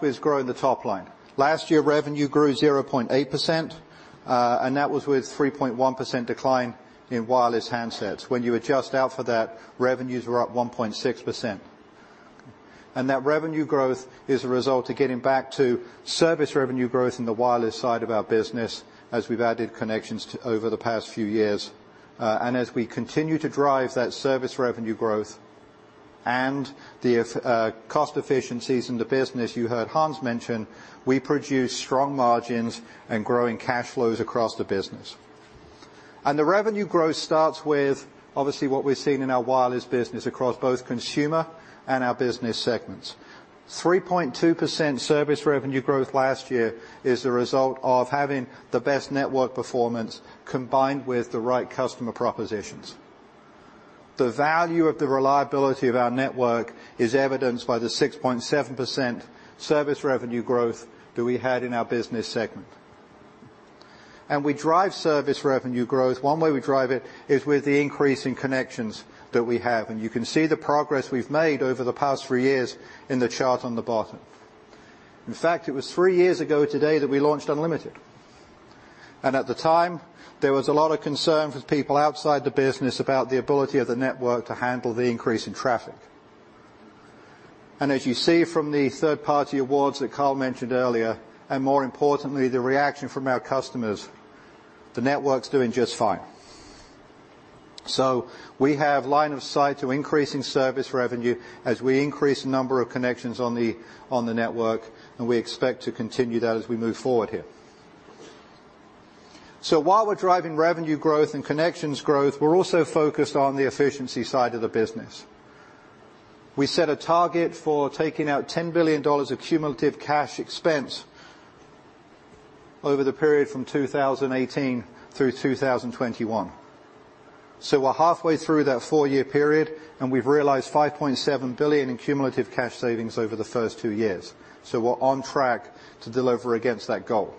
with growing the top line. Last year, revenue grew 0.8%, and that was with 3.1% decline in wireless handsets. When you adjust out for that, revenues were up 1.6%. That revenue growth is a result of getting back to service revenue growth in the wireless side of our business as we've added connections over the past few years. As we continue to drive that service revenue growth and the cost efficiencies in the business you heard Hans mention, we produce strong margins and growing cash flows across the business. The revenue growth starts with obviously what we're seeing in our wireless business across both consumer and our business segments. 3.2% service revenue growth last year is the result of having the best network performance combined with the right customer propositions. The value of the reliability of our network is evidenced by the 6.7% service revenue growth that we had in our business segment. We drive service revenue growth. One way we drive it is with the increase in connections that we have, and you can see the progress we've made over the past three years in the chart on the bottom. In fact, it was three years ago today that we launched Unlimited. At the time, there was a lot of concern from people outside the business about the ability of the network to handle the increase in traffic. As you see from the third-party awards that Kyle mentioned earlier, and more importantly, the reaction from our customers, the network's doing just fine. We have line of sight to increasing service revenue as we increase the number of connections on the network, and we expect to continue that as we move forward here. While we're driving revenue growth and connections growth, we're also focused on the efficiency side of the business. We set a target for taking out $10 billion of cumulative cash expense over the period from 2018 through 2021. We're halfway through that four-year period, and we've realized $5.7 billion in cumulative cash savings over the first two years. We're on track to deliver against that goal.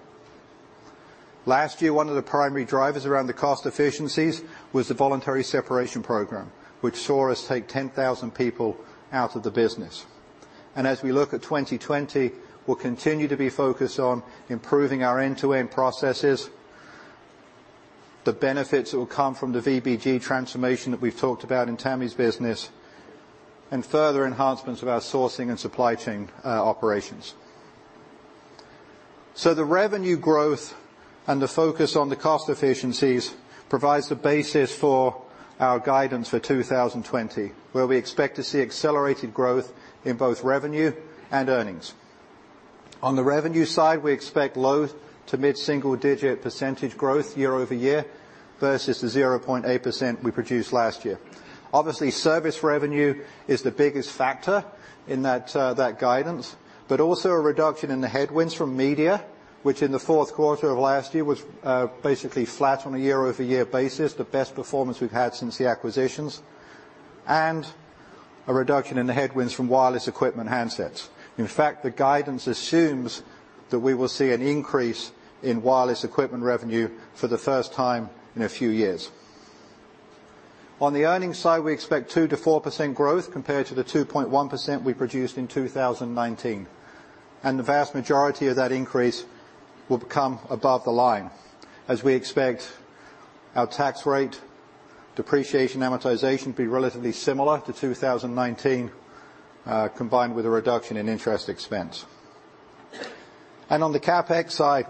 Last year, one of the primary drivers around the cost efficiencies was the voluntary separation program, which saw us take 10,000 people out of the business. As we look at 2020, we'll continue to be focused on improving our end-to-end processes, the benefits that will come from the VBG transformation that we've talked about in Tami's business, and further enhancements of our sourcing and supply chain operations. The revenue growth and the focus on the cost efficiencies provides the basis for our guidance for 2020, where we expect to see accelerated growth in both revenue and earnings. On the revenue side, we expect low to mid single digit percentage growth year-over-year versus the 0.8% we produced last year. Obviously, service revenue is the biggest factor in that guidance, but also a reduction in the headwinds from media, which in the fourth quarter of last year was basically flat on a year-over-year basis, the best performance we've had since the acquisitions, and a reduction in the headwinds from wireless equipment handsets. In fact, the guidance assumes that we will see an increase in wireless equipment revenue for the first time in a few years. On the earnings side, we expect 2%-4% growth compared to the 2.1% we produced in 2019. The vast majority of that increase will come above the line, as we expect our tax rate depreciation amortization to be relatively similar to 2019, combined with a reduction in interest expense. On the CapEx side,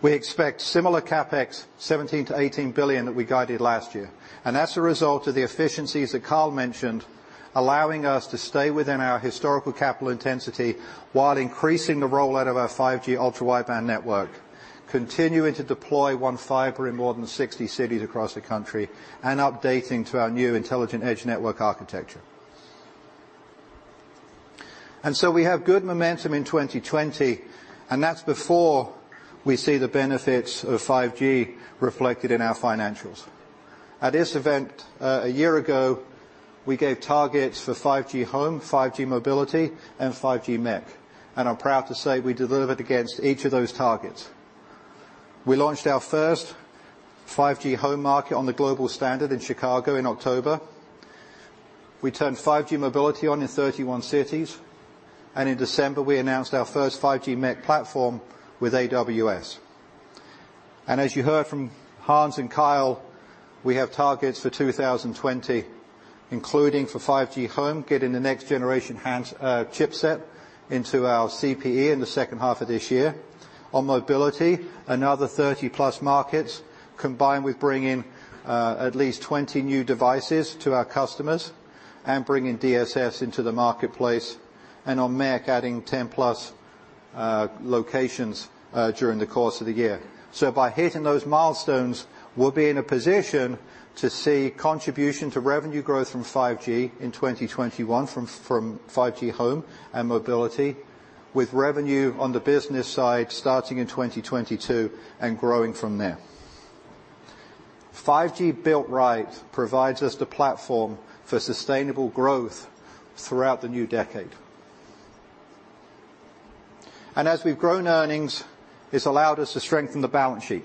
we expect similar CapEx, $17 billion-$18 billion that we guided last year. That's a result of the efficiencies that Kyle mentioned, allowing us to stay within our historical capital intensity while increasing the rollout of our 5G Ultra Wideband network, continuing to deploy One Fiber in more than 60 cities across the country, and updating to our new Intelligent Edge Network architecture. We have good momentum in 2020, and that's before we see the benefits of 5G reflected in our financials. At this event a year ago, we gave targets for 5G Home, 5G mobility, and 5G MEC, and I'm proud to say we delivered against each of those targets. We launched our first 5G Home market on the global standard in Chicago in October. We turned 5G mobility on in 31 cities. In December, we announced our first 5G MEC platform with AWS. As you heard from Hans and Kyle, we have targets for 2020, including for 5G Home, getting the next generation chipset into our CPE in the second half of this year. On mobility, another 30+ markets, combined with bringing at least 20 new devices to our customers and bringing DSS into the marketplace. On MEC, adding 10+ locations during the course of the year. By hitting those milestones, we'll be in a position to see contribution to revenue growth from 5G in 2021 from 5G Home and mobility, with revenue on the business side starting in 2022 and growing from there. 5G built right provides us the platform for sustainable growth throughout the new decade. As we've grown earnings, it's allowed us to strengthen the balance sheet.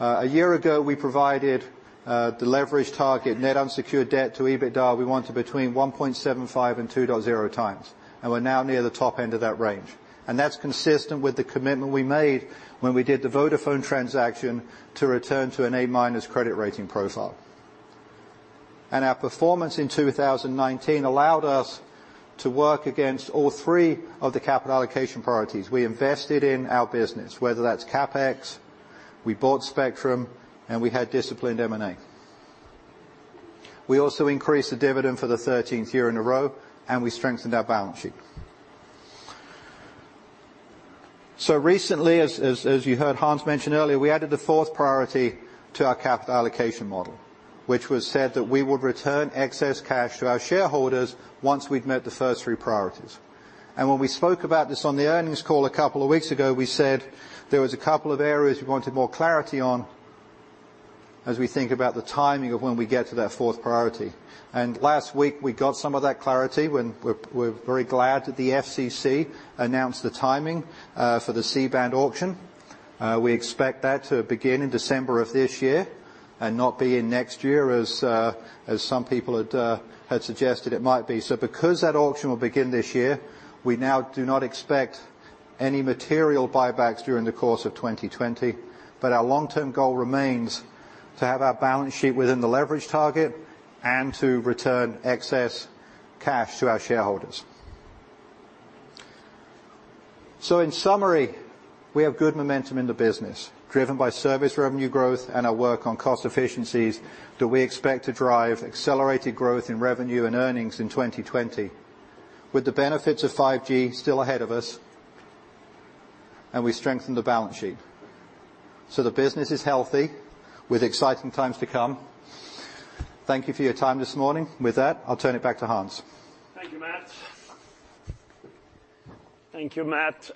A year ago, we provided the leverage target net unsecured debt to EBITDA, we wanted between 1.75x-2.0x. We're now near the top end of that range. That's consistent with the commitment we made when we did the Vodafone transaction to return to an A- credit rating profile. Our performance in 2019 allowed us to work against all three of the capital allocation priorities. We invested in our business, whether that's CapEx, we bought spectrum, and we had disciplined M&A. We also increased the dividend for the 13th year in a row, and we strengthened our balance sheet. Recently, as you heard Hans mention earlier, we added the fourth priority to our capital allocation model, which was said that we would return excess cash to our shareholders once we'd met the first three priorities. When we spoke about this on the earnings call a couple of weeks ago, we said there was a couple of areas we wanted more clarity on as we think about the timing of when we get to that fourth priority. Last week, we got some of that clarity when we're very glad that the FCC announced the timing for the C-band auction. We expect that to begin in December of this year and not be in next year as some people had suggested it might be. Because that auction will begin this year, we now do not expect any material buybacks during the course of 2020, but our long-term goal remains to have our balance sheet within the leverage target and to return excess cash to our shareholders. In summary, we have good momentum in the business, driven by service revenue growth and our work on cost efficiencies that we expect to drive accelerated growth in revenue and earnings in 2020. With the benefits of 5G still ahead of us, we strengthen the balance sheet. The business is healthy with exciting times to come. Thank you for your time this morning. With that, I'll turn it back to Hans. Thank you, Matt. Thank you, Matt.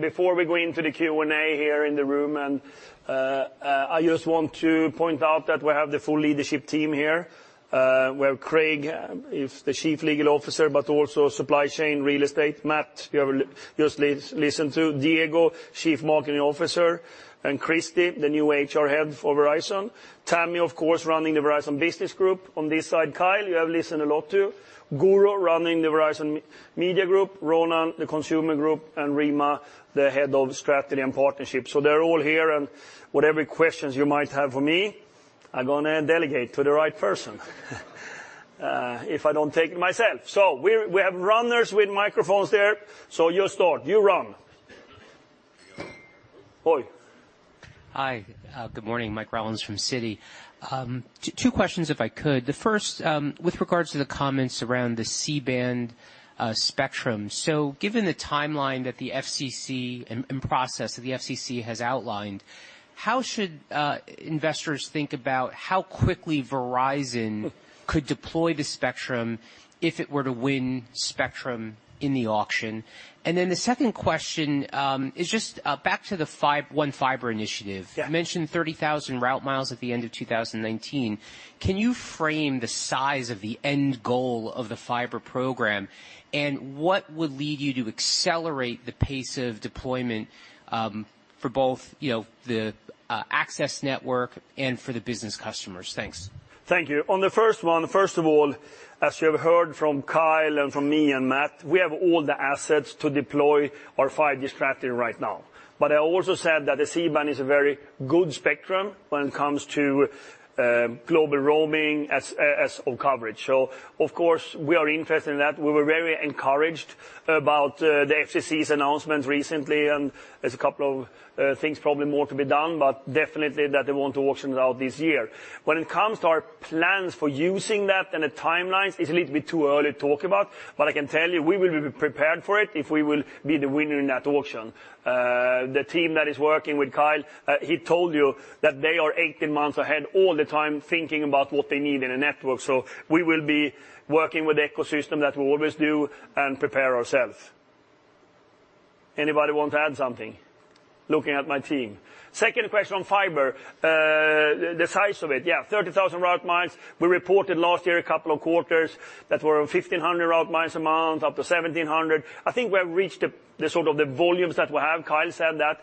Before we go into the Q&A here in the room, and I just want to point out that we have the full leadership team here. We have Craig, is the Chief Legal Officer, but also supply chain real estate. Matt, you have just listened to. Diego, Chief Marketing Officer, and Christy, the new HR Head for Verizon. Tami, of course, running the Verizon Business Group. On this side, Kyle, you have listened a lot to. Guru, running the Verizon Media Group, Ronan, the Consumer Group, and Rima, the Head of Strategy and Partnership. They're all here, and whatever questions you might have for me, I'm going to delegate to the right person if I don't take it myself. We have runners with microphones there. You start. You're on. Hi. Good morning. Mike Rollins from Citi. Two questions if I could. The first, with regards to the comments around the C-band spectrum. Given the timeline that the FCC, and process that the FCC has outlined, how should investors think about how quickly Verizon could deploy the spectrum if it were to win spectrum in the auction? The second question is just back to the One Fiber initiative. Yeah. You mentioned 30,000 route mi at the end of 2019. Can you frame the size of the end goal of the fiber program? What would lead you to accelerate the pace of deployment for both the access network and for the business customers? Thanks. Thank you. On the first one, first of all, as you have heard from Kyle and from me and Matt, we have all the assets to deploy our 5G strategy right now. I also said that the C-band is a very good spectrum when it comes to global roaming as all coverage. Of course, we are interested in that. We were very encouraged about the FCC's announcement recently. There's a couple of things probably more to be done, but definitely that they want to auction it out this year. When it comes to our plans for using that and the timelines, it's a little bit too early to talk about. I can tell you we will be prepared for it if we will be the winner in that auction. The team that is working with Kyle, he told you that they are 18 months ahead all the time thinking about what they need in a network. We will be working with the ecosystem, that we always do, and prepare ourselves. Anybody want to add something? Looking at my team. Second question on fiber, the size of it. Yeah, 30,000 route mi. We reported last year a couple of quarters that were 1,500 route mi a month, up to 1,700 route mi a month. I think we have reached the sort of the volumes that we have, Kyle said that.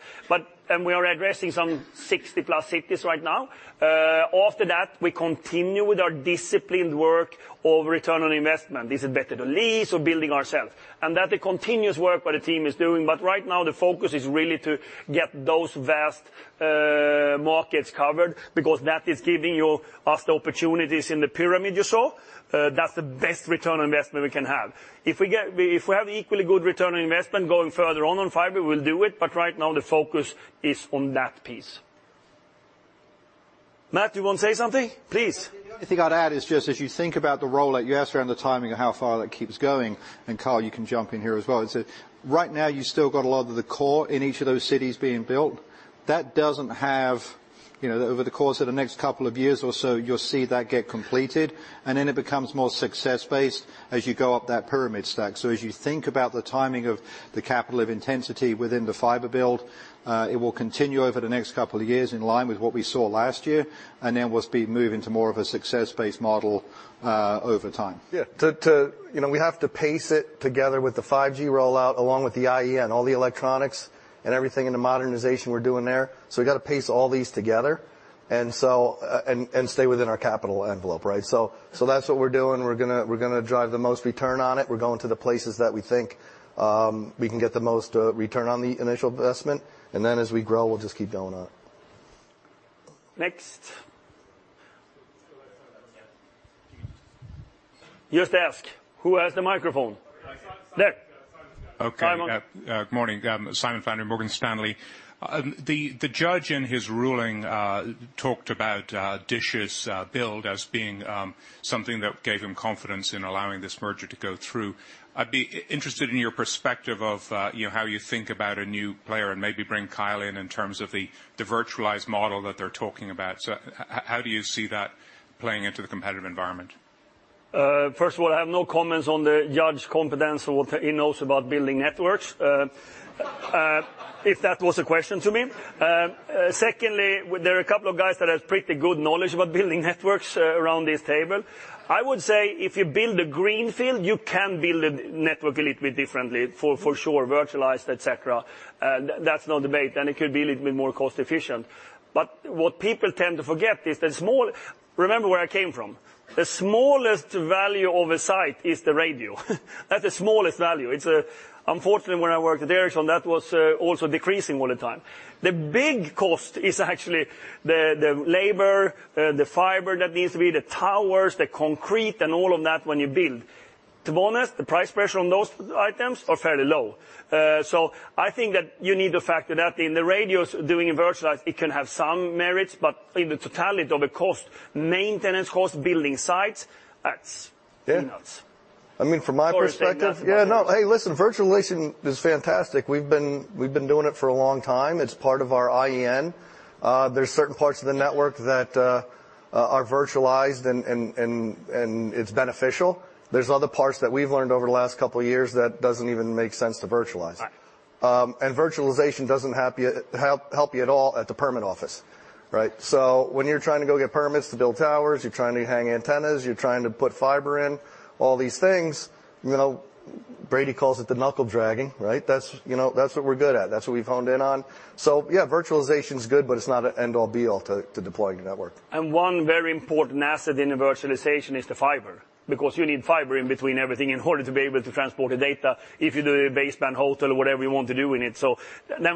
We are addressing some 60+ cities right now. After that, we continue with our disciplined work of return on investment. These are better to lease or building ourselves. That the continuous work what the team is doing, but right now the focus is really to get those vast markets covered because that is giving us the opportunities in the pyramid you saw. That's the best return on investment we can have. If we have equally good return on investment going further on on fiber, we'll do it, but right now the focus is on that piece. Matt, you want to say something? Please. The only thing I'd add is just as you think about the rollout, you asked around the timing of how far that keeps going, and Kyle you can jump in here as well. Right now you still got a lot of the core in each of those cities being built. Over the course of the next couple of years or so, you'll see that get completed, and then it becomes more success-based as you go up that pyramid stack. As you think about the timing of the capital of intensity within the fiber build, it will continue over the next couple of years in line with what we saw last year, and then we'll be moving to more of a success-based model over time. We have to pace it together with the 5G rollout, along with the IEN, all the electronics, and everything in the modernization we're doing there. We've got to pace all these together and stay within our capital envelope, right? That's what we're doing. We're going to drive the most return on it. We're going to the places that we think we can get the most return on the initial investment. As we grow, we'll just keep going up. Next. You have to ask. Who has the microphone? There. Okay. Simon. Good morning. Simon Flannery, Morgan Stanley. The judge in his ruling talked about Dish's build as being something that gave him confidence in allowing this merger to go through. I'd be interested in your perspective of how you think about a new player, and maybe bring Kyle in in terms of the virtualized model that they're talking about. How do you see that playing into the competitive environment? First of all, I have no comments on the judge confidence or what he knows about building networks. If that was a question to me. There are a couple of guys that have pretty good knowledge about building networks around this table. I would say if you build a greenfield, you can build a network a little bit differently, for sure, virtualized, et cetera. That's no debate. It could be a little bit more cost efficient. What people tend to forget is that. Remember where I came from. The smallest value of a site is the radio. That's the smallest value. Unfortunately, when I worked at Ericsson, that was also decreasing all the time. The big cost is actually the labor, the fiber that needs to be, the towers, the concrete, and all of that when you build. To be honest, the price pressure on those items are fairly low. I think that you need to factor that in. The radios doing it virtualized, it can have some merits, but in the totality of the cost, maintenance cost, building sites, that's peanuts. Yeah. I mean, from my perspective. Sorry, say Matt. Yeah, no. Hey, listen, virtualization is fantastic. We've been doing it for a long time. It's part of our IEN. There's certain parts of the network that are virtualized, and it's beneficial. There's other parts that we've learned over the last couple of years that doesn't even make sense to virtualize. Right. Virtualization doesn't help you at all at the permit office, right? When you're trying to go get permits to build towers, you're trying to hang antennas, you're trying to put fiber in, all these things, Brady calls it the knuckle dragging, right? That's what we're good at. That's what we've honed in on. Yeah, virtualization's good, but it's not an end-all be-all to deploying a network. One very important asset in the virtualization is the fiber because you need fiber in between everything in order to be able to transport the data if you do a BBU hotel or whatever you want to do in it.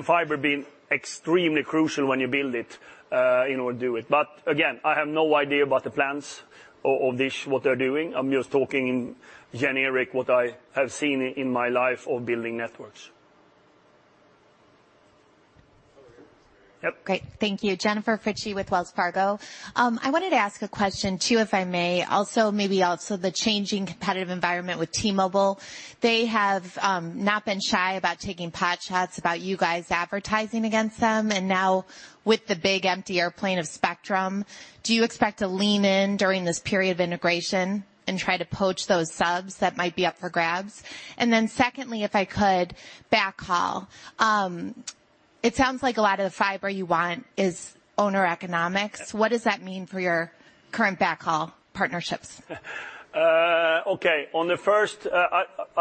Fiber being extremely crucial when you build it, in order to do it. Again, I have no idea about the plans of Dish, what they're doing. I'm just talking generic, what I have seen in my life of building networks. Great. Thank you. Jennifer Fritzsche with Wells Fargo. I wanted to ask a question too, if I may. Maybe also the changing competitive environment with T-Mobile. They have not been shy about taking potshots about you guys advertising against them. Now with the big empty airplane of spectrum, do you expect to lean in during this period of integration and try to poach those subs that might be up for grabs? Secondly, if I could, backhaul. It sounds like a lot of the fiber you want is owner economics. What does that mean for your current backhaul partnerships? Okay.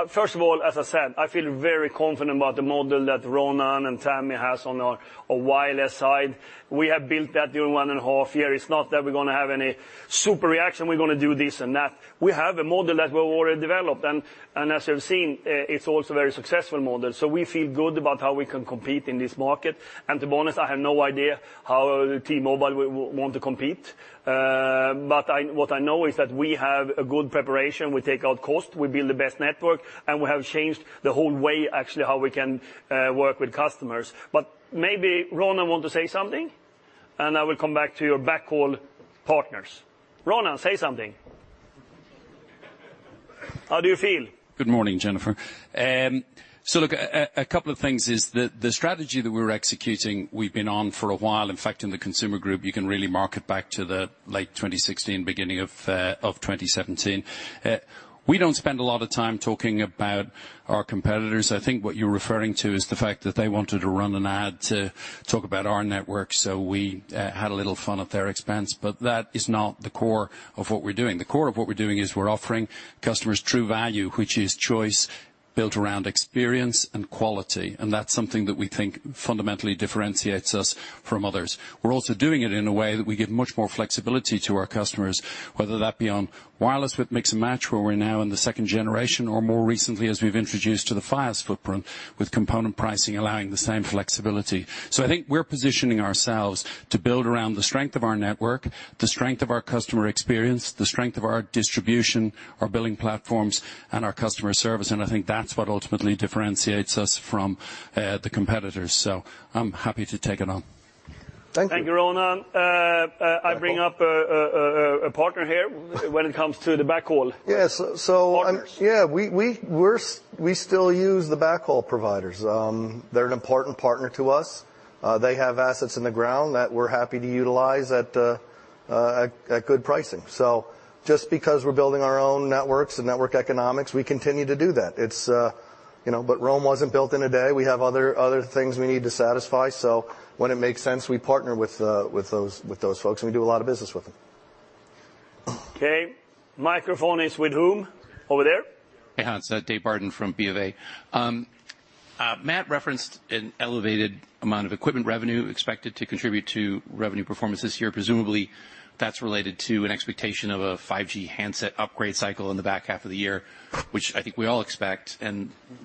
First of all, as I said, I feel very confident about the model that Ronan and Tami has on our wireless side. We have built that during 1.5 Years. It's not that we're going to have any super reaction, we're going to do this and that. We have a model that we already developed. As you have seen, it's also a very successful model. We feel good about how we can compete in this market. To be honest, I have no idea how T-Mobile will want to compete. What I know is that we have a good preparation. We take out cost, we build the best network, and we have changed the whole way, actually, how we can work with customers. Maybe Ronan want to say something, and I will come back to your backhaul partners. Ronan, say something. How do you feel? Good morning, Jennifer. Look, a couple of things is that the strategy that we're executing, we've been on for a while. In fact, in the consumer group, you can really mark it back to the late 2016, beginning of 2017. We don't spend a lot of time talking about our competitors. I think what you're referring to is the fact that they wanted to run an ad to talk about our network, we had a little fun at their expense. That is not the core of what we're doing. The core of what we're doing is we're offering customers true value, which is choice built around experience and quality, that's something that we think fundamentally differentiates us from others. We're also doing it in a way that we give much more flexibility to our customers, whether that be on wireless with Mix & Match, where we're now in the second generation, or more recently, as we've introduced to the Fios footprint with component pricing allowing the same flexibility. I think we're positioning ourselves to build around the strength of our network, the strength of our customer experience, the strength of our distribution, our billing platforms, and our customer service, and I think that's what ultimately differentiates us from the competitors. I'm happy to take it on. Thank you, Ronan. I bring up a partner here when it comes to the backhaul. Yes. Partners. We still use the backhaul providers. They're an important partner to us. They have assets in the ground that we're happy to utilize at good pricing. Just because we're building our own networks and network economics, we continue to do that. Rome wasn't built in a day. We have other things we need to satisfy. When it makes sense, we partner with those folks, and we do a lot of business with them. Okay. Microphone is with whom? Over there. Hey, Hans. Dave Barden from Bank of America. Matt referenced an elevated amount of equipment revenue expected to contribute to revenue performance this year. Presumably, that's related to an expectation of a 5G handset upgrade cycle in the back half of the year, which I think we all expect.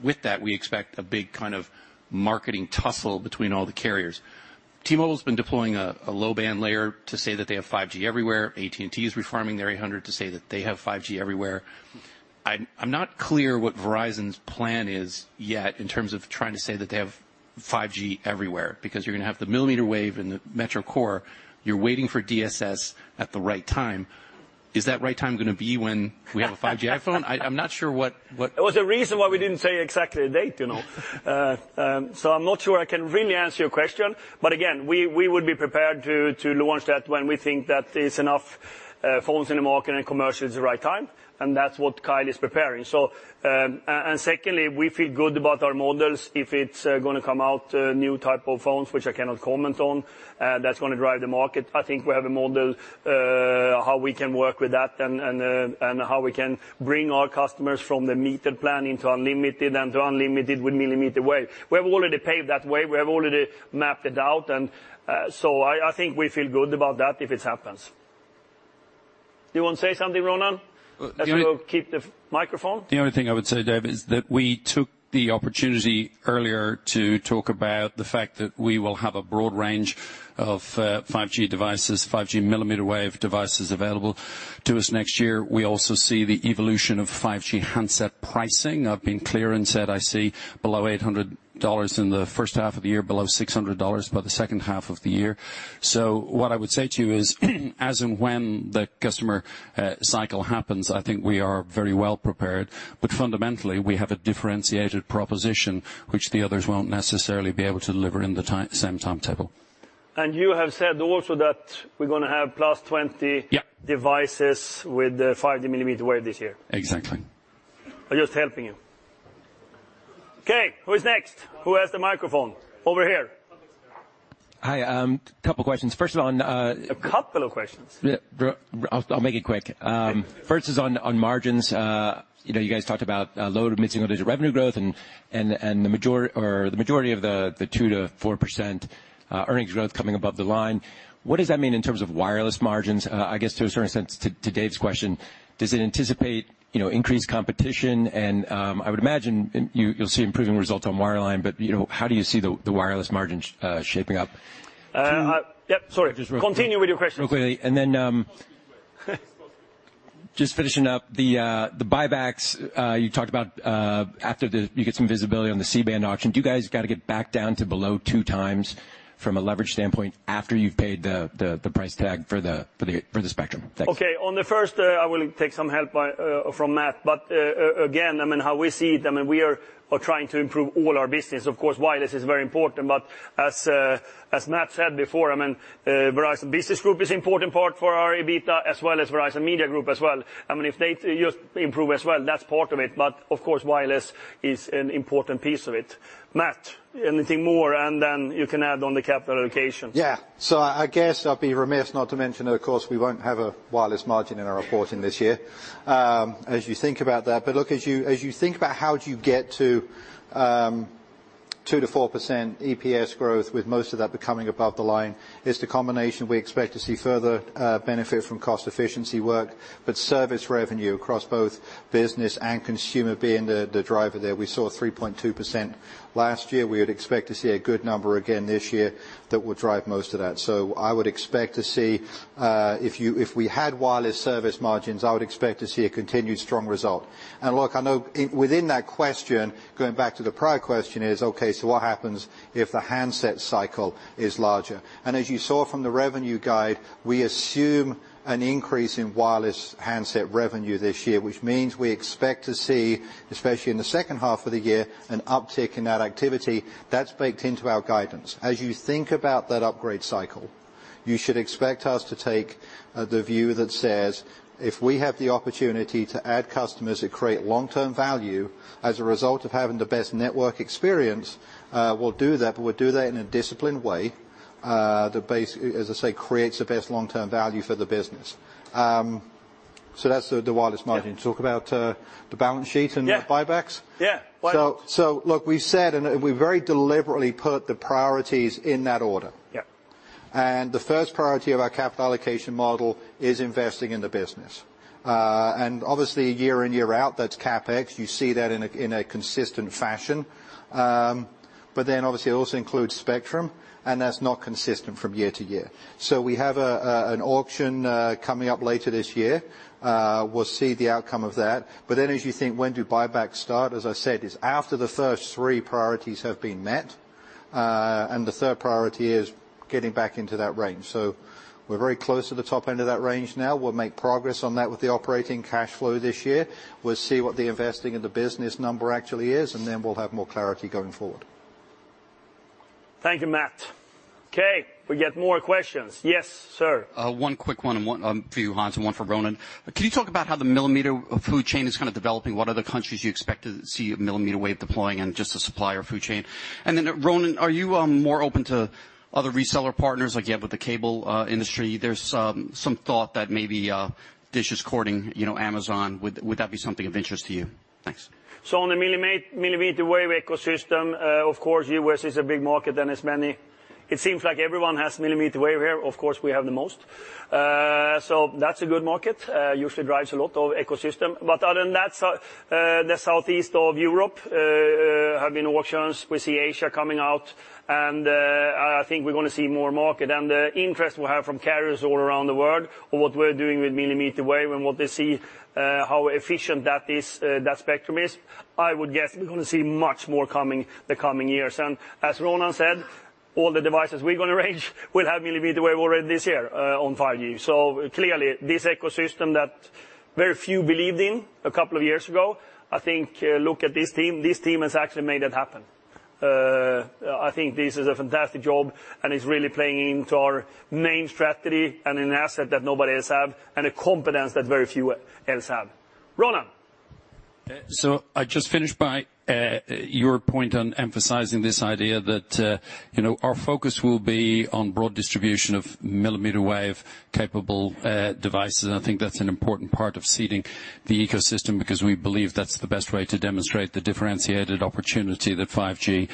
With that, we expect a big kind of marketing tussle between all the carriers. T-Mobile's been deploying a low-band layer to say that they have 5G everywhere. AT&T is reforming their 800 MHz to say that they have 5G everywhere. I'm not clear what Verizon's plan is yet in terms of trying to say that they have 5G everywhere, because you're going to have the millimeter wave and the metro core. You're waiting for DSS at the right time. Is that right time going to be when we have a 5G iPhone? There was a reason why we didn't say exactly a date. I'm not sure I can really answer your question. Again, we would be prepared to launch that when we think that there's enough phones in the market and commercially is the right time, and that's what Kyle is preparing. Secondly, we feel good about our models. If it's going to come out new type of phones, which I cannot comment on, that's going to drive the market. I think we have a model how we can work with that and how we can bring our customers from the metered plan into unlimited and to unlimited with millimeter wave. We have already paved that way. We have already mapped it out. I think we feel good about that if it happens. You want to say something, Ronan? As we will keep the microphone. The only thing I would say, Dave, is that we took the opportunity earlier to talk about the fact that we will have a broad range of 5G devices, 5G millimeter wave devices available to us next year. We also see the evolution of 5G handset pricing. I've been clear and said I see below $800 in the first half of the year, below $600 by the second half of the year. What I would say to you is, as and when the customer cycle happens, I think we are very well prepared. Fundamentally, we have a differentiated proposition which the others won't necessarily be able to deliver in the same timetable. you have said also that we're going to have +20. Yeah Devices with the 5G millimeter wave this year. Exactly. I'm just helping you. Okay, who is next? Who has the microphone? Over here. Hi. A couple questions. A couple of questions? Yeah. I'll make it quick. First is on margins. You guys talked about low- to mid-single-digit revenue growth and the majority of the 2%-4% earnings growth coming above the line. What does that mean in terms of wireless margins? I guess to a certain sense, to Dave's question, does it anticipate increased competition? I would imagine you'll see improving results on wireline, but how do you see the wireless margins shaping up? Sorry. Continue with your question. Real quickly. Just finishing up the buybacks you talked about after you get some visibility on the C-band auction. Do you guys got to get back down to below 2x from a leverage standpoint after you've paid the price tag for the spectrum? Thanks. Okay. On the first, I will take some help from Matt. Again, how we see it, we are trying to improve all our business. Of course, wireless is very important. As Matt said before, Verizon Business Group is important part for our EBITDA, as well as Verizon Media Group as well. If they just improve as well, that's part of it. Of course, wireless is an important piece of it. Matt, anything more, then you can add on the capital allocations. Yeah. I guess I'd be remiss not to mention, of course, we won't have a wireless margin in our reporting this year, as you think about that. Look, as you think about how do you get to 2%-4% EPS growth with most of that becoming above the line, it's the combination. We expect to see further benefit from cost efficiency work, but service revenue across both business and consumer being the driver there. We saw 3.2% last year. We would expect to see a good number again this year that will drive most of that. I would expect to see, if we had wireless service margins, I would expect to see a continued strong result. Look, I know within that question, going back to the prior question is, okay, so what happens if the handset cycle is larger? As you saw from the revenue guide, we assume an increase in wireless handset revenue this year, which means we expect to see, especially in the second half of the year, an uptick in that activity. That's baked into our guidance. As you think about that upgrade cycle, you should expect us to take the view that says, if we have the opportunity to add customers that create long-term value as a result of having the best network experience, we'll do that, but we'll do that in a disciplined way, that basically, as I say, creates the best long-term value for the business. That's the wireless margin. Talk about the balance sheet and the buybacks? Yeah. Why not? Look, we said, and we very deliberately put the priorities in that order. Yep. The first priority of our capital allocation model is investing in the business. Obviously year in, year out, that's CapEx. You see that in a consistent fashion. Obviously it also includes spectrum, and that's not consistent from year to year. We have an auction coming up later this year. We'll see the outcome of that. As you think, when do buybacks start? As I said, it's after the first three priorities have been met, and the third priority is getting back into that range. We're very close to the top end of that range now. We'll make progress on that with the operating cash flow this year. We'll see what the investing in the business number actually is, and then we'll have more clarity going forward. Thank you, Matt. Okay, we get more questions. Yes, sir. One quick one for you, Hans, and one for Ronan. Can you talk about how the millimeter wave ecosystem is kind of developing? What other countries do you expect to see a millimeter wave deploying and just the supplier ecosystem? Ronan, are you more open to other reseller partners like you have with the cable industry? There's some thought that maybe Dish is courting Amazon. Would that be something of interest to you? Thanks. On the millimeter wave ecosystem, of course, U.S. is a big market and it seems like everyone has millimeter wave here. Of course, we have the most. That's a good market, usually drives a lot of ecosystem. Other than that, the southeast of Europe have been auctions. We see Asia coming out, I think we're going to see more market. The interest we'll have from carriers all around the world on what we're doing with millimeter wave and what they see how efficient that spectrum is, I would guess we're going to see much more the coming years. As Ronan said, all the devices we're going to range will have millimeter wave already this year on 5G. Clearly, this ecosystem that very few believed in a couple of years ago, I think, look at this team. This team has actually made it happen. I think this is a fantastic job and is really playing into our main strategy and an asset that nobody else have and a competence that very few else have. Ronan. I just finish by your point on emphasizing this idea that our focus will be on broad distribution of millimeter wave-capable devices, and I think that's an important part of seeding the ecosystem because we believe that's the best way to demonstrate the differentiated opportunity that 5G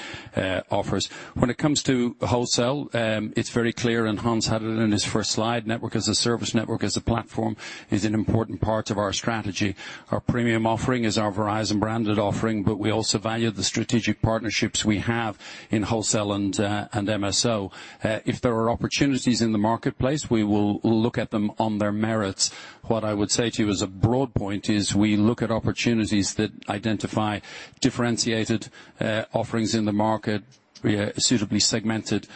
offers. When it comes to wholesale, it's very clear, and Hans had it in his first slide, network as a service, network as a platform is an important part of our strategy. Our premium offering is our Verizon-branded offering, but we also value the strategic partnerships we have in wholesale and MSO. If there are opportunities in the marketplace, we will look at them on their merits. What I would say to you as a broad point is we look at opportunities that identify differentiated offerings in the market. We are suitably segmented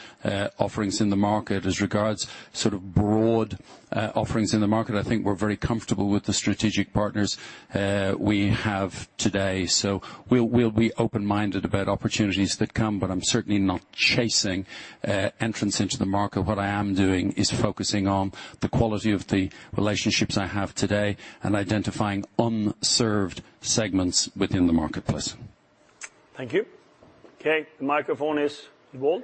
offerings in the market as regards broad offerings in the market. I think we're very comfortable with the strategic partners we have today. We'll be open-minded about opportunities that come, but I'm certainly not chasing entrance into the market. What I am doing is focusing on the quality of the relationships I have today and identifying unserved segments within the marketplace. Thank you. Okay, the microphone is Walter.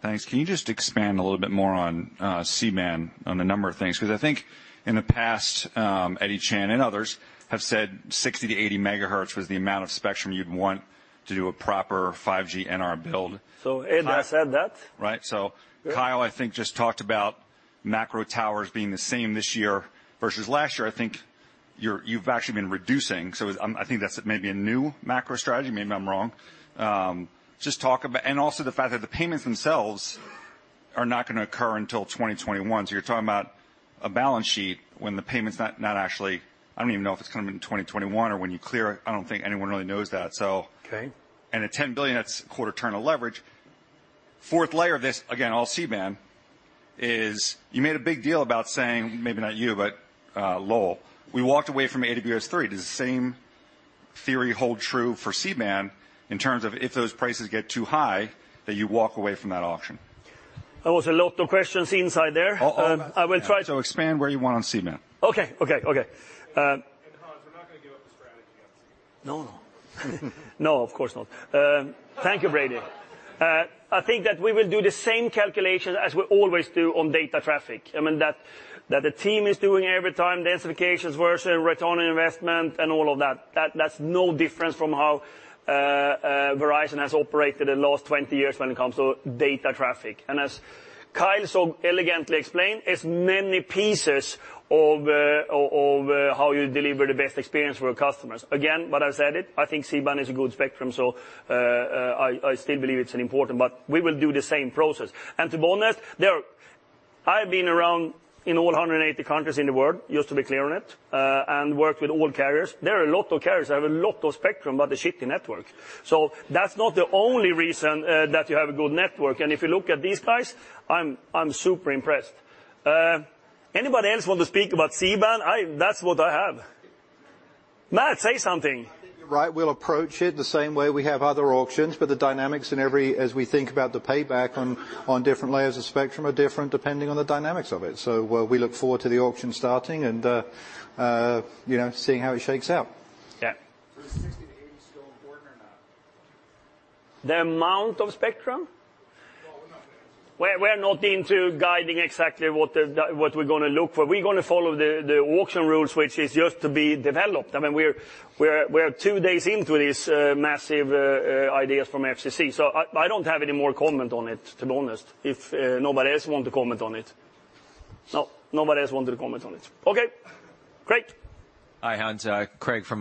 Thanks. Can you just expand a little bit more on C-band on the number of things? I think in the past, Ed Chan and others have said 60 MHz-80 MHz was the amount of spectrum you'd want to do a proper 5G NR build. Ed has said that. Right. Kyle, I think just talked about macro towers being the same this year versus last year. I think you've actually been reducing. I think that's maybe a new macro strategy. Maybe I'm wrong. Also the fact that the payments themselves are not going to occur until 2021. You're talking about a balance sheet when the payment's not actually I don't even know if it's coming in 2021 or when you clear it. I don't think anyone really knows that. Okay. At $10 billion, that's quarter turn of leverage. Fourth layer of this, again, all C-band, is you made a big deal about saying, maybe not you, but Lowell. We walked away from AWS-3. Does the same theory hold true for C-band in terms of if those prices get too high, that you walk away from that auction? There was a lot of questions inside there. All about C-band. I will try to- Expand where you want on C-band. Okay. Hans, we're not going to give up the strategy on C-band. No, of course not. Thank you, Brady. I think that we will do the same calculation as we always do on data traffic. I mean, that the team is doing every time, densifications versus return on investment and all of that. That's no different from how Verizon has operated the last 20 years when it comes to data traffic. As Kyle so elegantly explained, it's many pieces of how you deliver the best experience for your customers. Again, but I said it, I think C-band is a good spectrum, so I still believe it's important, but we will do the same process. To be honest, I've been around in all 180 countries in the world, just to be clear on it, and worked with all carriers. There are a lot of carriers that have a lot of spectrum, but a shitty network. That's not the only reason that you have a good network. If you look at these guys, I'm super impressed. Anybody else want to speak about C-band? That's what I have. Matt, say something. I think you're right. We'll approach it the same way we have other auctions, but the dynamics in every, as we think about the payback on different layers of spectrum, are different depending on the dynamics of it. We look forward to the auction starting and seeing how it shakes out. Yeah. Is 60 MHz-80 MHz still important or not? The amount of spectrum? Well, we're not into guiding exactly what we're going to look for. We're going to follow the auction rules, which is yet to be developed. I mean, we're two days into these massive ideas from FCC. I don't have any more comment on it, to be honest, if nobody else want to comment on it. No, nobody else want to comment on it. Okay, great. Hi, Hans. Craig from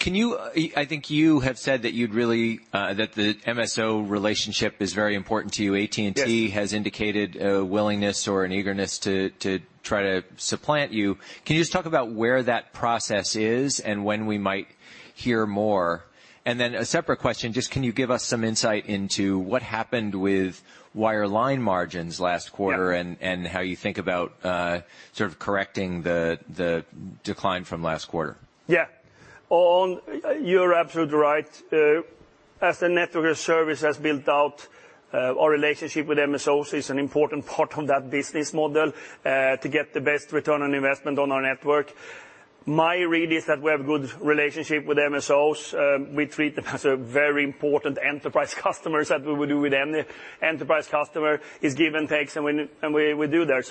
MoffettNathanson. I think you have said that the MSO relationship is very important to you. Yes. AT&T has indicated a willingness or an eagerness to try to supplant you. Can you just talk about where that process is and when we might hear more? A separate question, just can you give us some insight into what happened with wire line margins last quarter? Yeah How you think about sort of correcting the decline from last quarter? Yeah. You're absolutely right. As the network service has built out, our relationship with MSOs is an important part of that business model to get the best return on investment on our network. My read is that we have good relationship with MSOs. We treat them as a very important enterprise customers that we would do with any enterprise customer is give and takes, and we do there.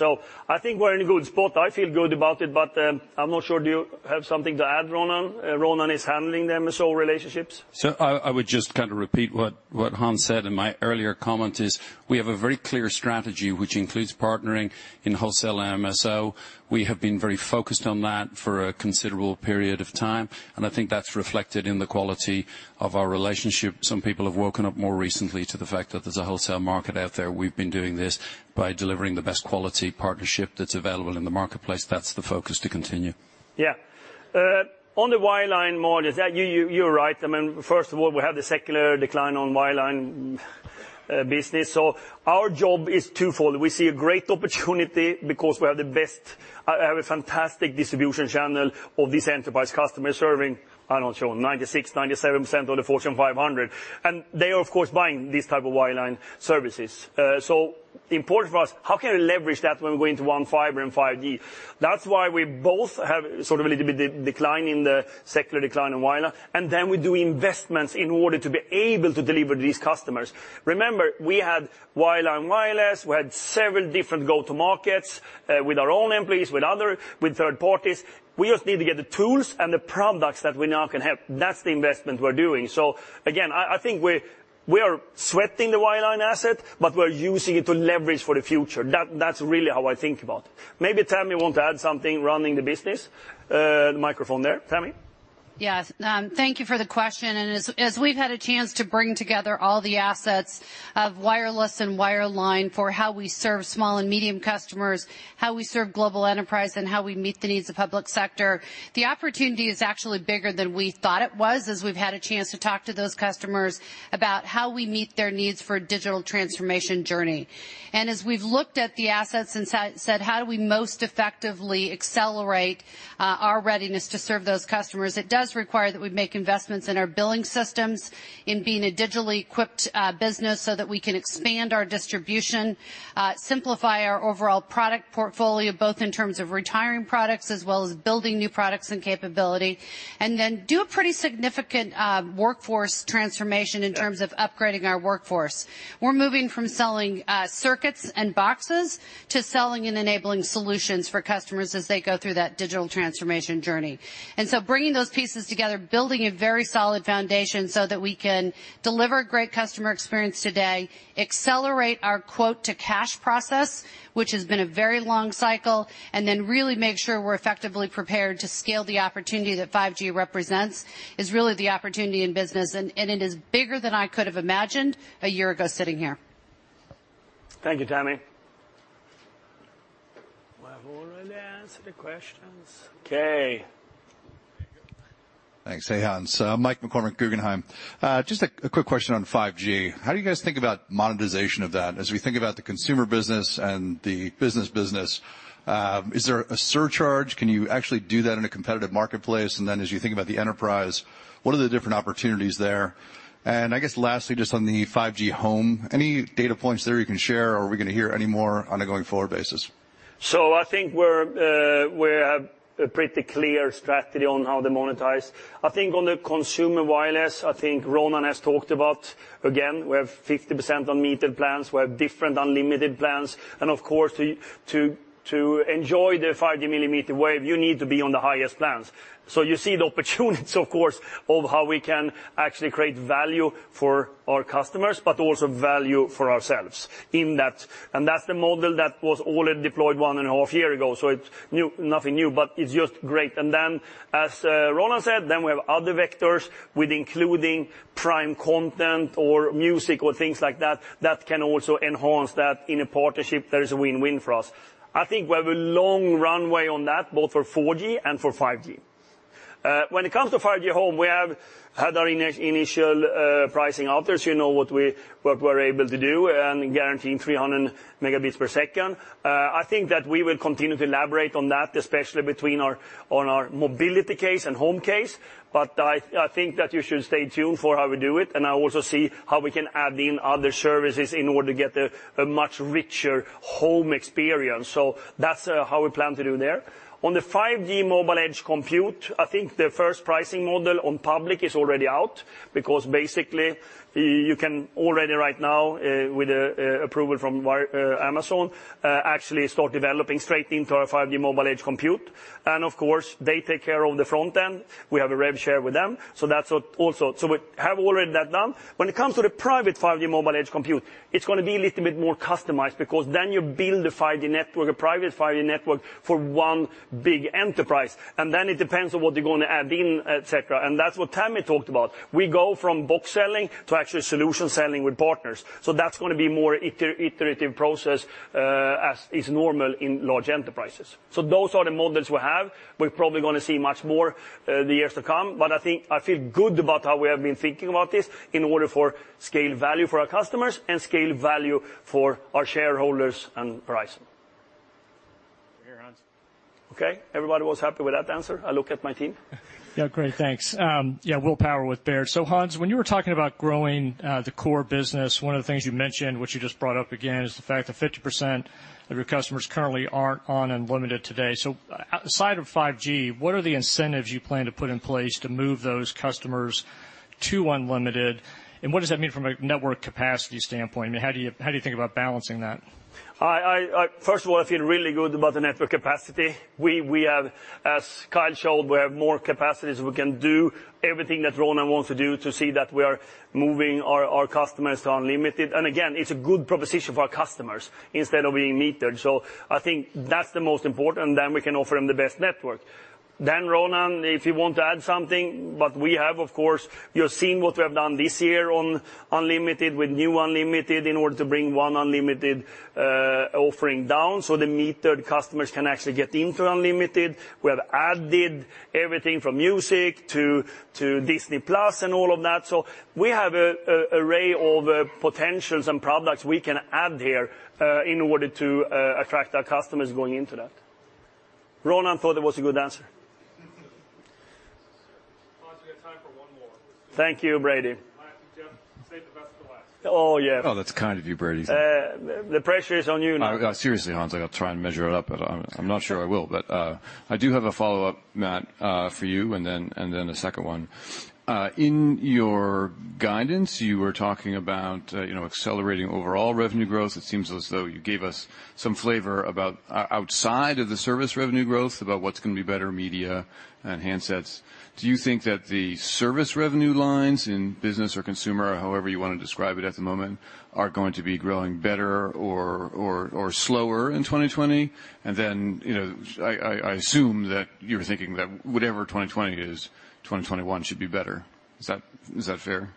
I think we're in a good spot. I feel good about it, but I'm not sure, do you have something to add, Ronan? Ronan is handling the MSO relationships. I would just kind of repeat what Hans said in my earlier comment is we have a very clear strategy, which includes partnering in wholesale MSO. We have been very focused on that for a considerable period of time, and I think that's reflected in the quality of our relationship. Some people have woken up more recently to the fact that there's a wholesale market out there. We've been doing this by delivering the best quality partnership that's available in the marketplace. That's the focus to continue. Yeah. On the wireline model, you're right. I mean, first of all, we have the secular decline on wireline business. Our job is twofold. We see a great opportunity because we have a fantastic distribution channel of this enterprise customer serving, I'm not sure, 96%, 97% of the Fortune 500. They are, of course, buying these type of wireline services. Important for us, how can we leverage that when we go into One Fiber and 5G? That's why we both have sort of a little bit decline in the secular decline in wireline, we do investments in order to be able to deliver to these customers. Remember, we had wireline, wireless. We had several different go-to markets, with our own employees, with third parties. We just need to get the tools and the products that we now can have. That's the investment we're doing. Again, I think we are sweating the wire line asset, but we're using it to leverage for the future. That's really how I think about. Maybe Tami want to add something running the business. The microphone there. Tami? Yes. Thank you for the question. As we've had a chance to bring together all the assets of wireless and wire line for how we serve small and medium customers, how we serve global enterprise, and how we meet the needs of public sector, the opportunity is actually bigger than we thought it was as we've had a chance to talk to those customers about how we meet their needs for a digital transformation journey. As we've looked at the assets and said, "How do we most effectively accelerate our readiness to serve those customers?" It does require that we make investments in our billing systems, in being a digitally equipped business so that we can expand our distribution, simplify our overall product portfolio, both in terms of retiring products as well as building new products and capability, and then do a pretty significant workforce transformation in terms of upgrading our workforce. We're moving from selling circuits and boxes to selling and enabling solutions for customers as they go through that digital transformation journey. Bringing those pieces together, building a very solid foundation so that we can deliver a great customer experience today, accelerate our quote-to-cash process, which has been a very long cycle, and then really make sure we're effectively prepared to scale the opportunity that 5G represents, is really the opportunity in business, and it is bigger than I could have imagined a year ago sitting here. Thank you, Tami. Any questions? Okay. Thanks. Hey, Hans. I'm Mike McCormack, Guggenheim. Just a quick question on 5G. How do you guys think about monetization of that? As we think about the consumer business and the business business, is there a surcharge? Can you actually do that in a competitive marketplace? As you think about the enterprise, what are the different opportunities there? I guess lastly, just on the 5G Home, any data points there you can share, or are we going to hear any more on a going forward basis? I think we have a pretty clear strategy on how to monetize. I think on the consumer wireless, I think Ronan has talked about, again, we have 50% on metered plans. We have different unlimited plans, and of course, to enjoy the 5G millimeter wave, you need to be on the highest plans. You see the opportunities, of course, of how we can actually create value for our customers, but also value for ourselves in that. That's the model that was already deployed 1.5 Year ago. It's nothing new, but it's just great. As Ronan said, then we have other vectors with including Prime content or music or things like that can also enhance that. In a partnership, there is a win-win for us. I think we have a long runway on that, both for 4G and for 5G. When it comes to 5G Home, we have had our initial pricing out there, so you know what we're able to do and guaranteeing 300 megabits per second. I think that we will continue to elaborate on that, especially on our mobility case and home case. I think that you should stay tuned for how we do it, and I also see how we can add in other services in order to get a much richer home experience. That's how we plan to do there. On the 5G Mobile Edge Compute, I think the first pricing model on public is already out, because basically you can already right now, with approval from Amazon, actually start developing straight into our 5G Mobile Edge Compute. Of course, they take care of the front end. We have a rev share with them. We have already that done. When it comes to the private 5G mobile edge compute, it's going to be a little bit more customized because then you build a private 5G network for one big enterprise, and then it depends on what they're going to add in, et cetera. That's what Tami talked about. We go from book selling to actual solution selling with partners. That's going to be more iterative process as is normal in large enterprises. Those are the models we have. We're probably going to see much more the years to come. I feel good about how we have been thinking about this in order for scale value for our customers and scale value for our shareholders and Verizon. Over here, Hans. Okay. Everybody was happy with that answer? I look at my team. Yeah. Great. Thanks. Yeah, William Power with Baird. Hans, when you were talking about growing the core business, one of the things you mentioned, which you just brought up again, is the fact that 50% of your customers currently aren't on unlimited today. Outside of 5G, what are the incentives you plan to put in place to move those customers to unlimited, and what does that mean from a network capacity standpoint? How do you think about balancing that? First of all, I feel really good about the network capacity. As Kyle showed, we have more capacities. We can do everything that Ronan wants to do to see that we are moving our customers to unlimited. Again, it's a good proposition for our customers instead of being metered. I think that's the most important, we can offer them the best network. Ronan, if you want to add something, we have, of course, you're seeing what we have done this year on unlimited with new unlimited in order to bring one unlimited offering down so the metered customers can actually get into unlimited. We have added everything from music to Disney+ and all of that. We have an array of potentials and products we can add here in order to attract our customers going into that. Ronan thought that was a good answer. Hans, we got time for one more. Thank you, Brady. Jeff, save the best for last. Oh, yeah. Oh, that's kind of you, Brady. The pressure is on you now. Seriously, Hans, I'll try and measure it up, but I'm not sure I will. I do have a follow-up, Matt, for you, and then a second one. In your guidance, you were talking about accelerating overall revenue growth. It seems as though you gave us some flavor about outside of the service revenue growth, about what's going to be better media and handsets. Do you think that the service revenue lines in business or consumer, or however you want to describe it at the moment, are going to be growing better or slower in 2020? I assume that you're thinking that whatever 2020 is, 2021 should be better. Is that fair?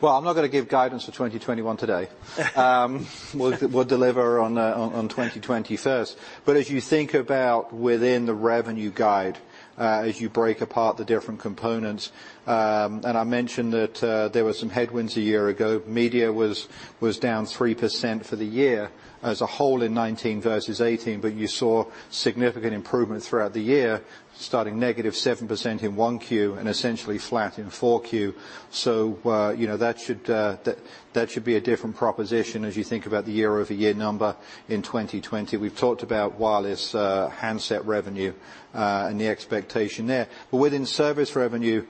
Well, I'm not going to give guidance for 2021 today. We'll deliver on 2020 first. As you think about within the revenue guide, as you break apart the different components, and I mentioned that there were some headwinds a year ago. Media was down 3% for the year as a whole in 2019 versus 2018, but you saw significant improvement throughout the year, starting negative 7% in 1Q and essentially flat in 4Q. That should be a different proposition as you think about the year-over-year number in 2020. We've talked about wireless handset revenue and the expectation there. Within service revenue,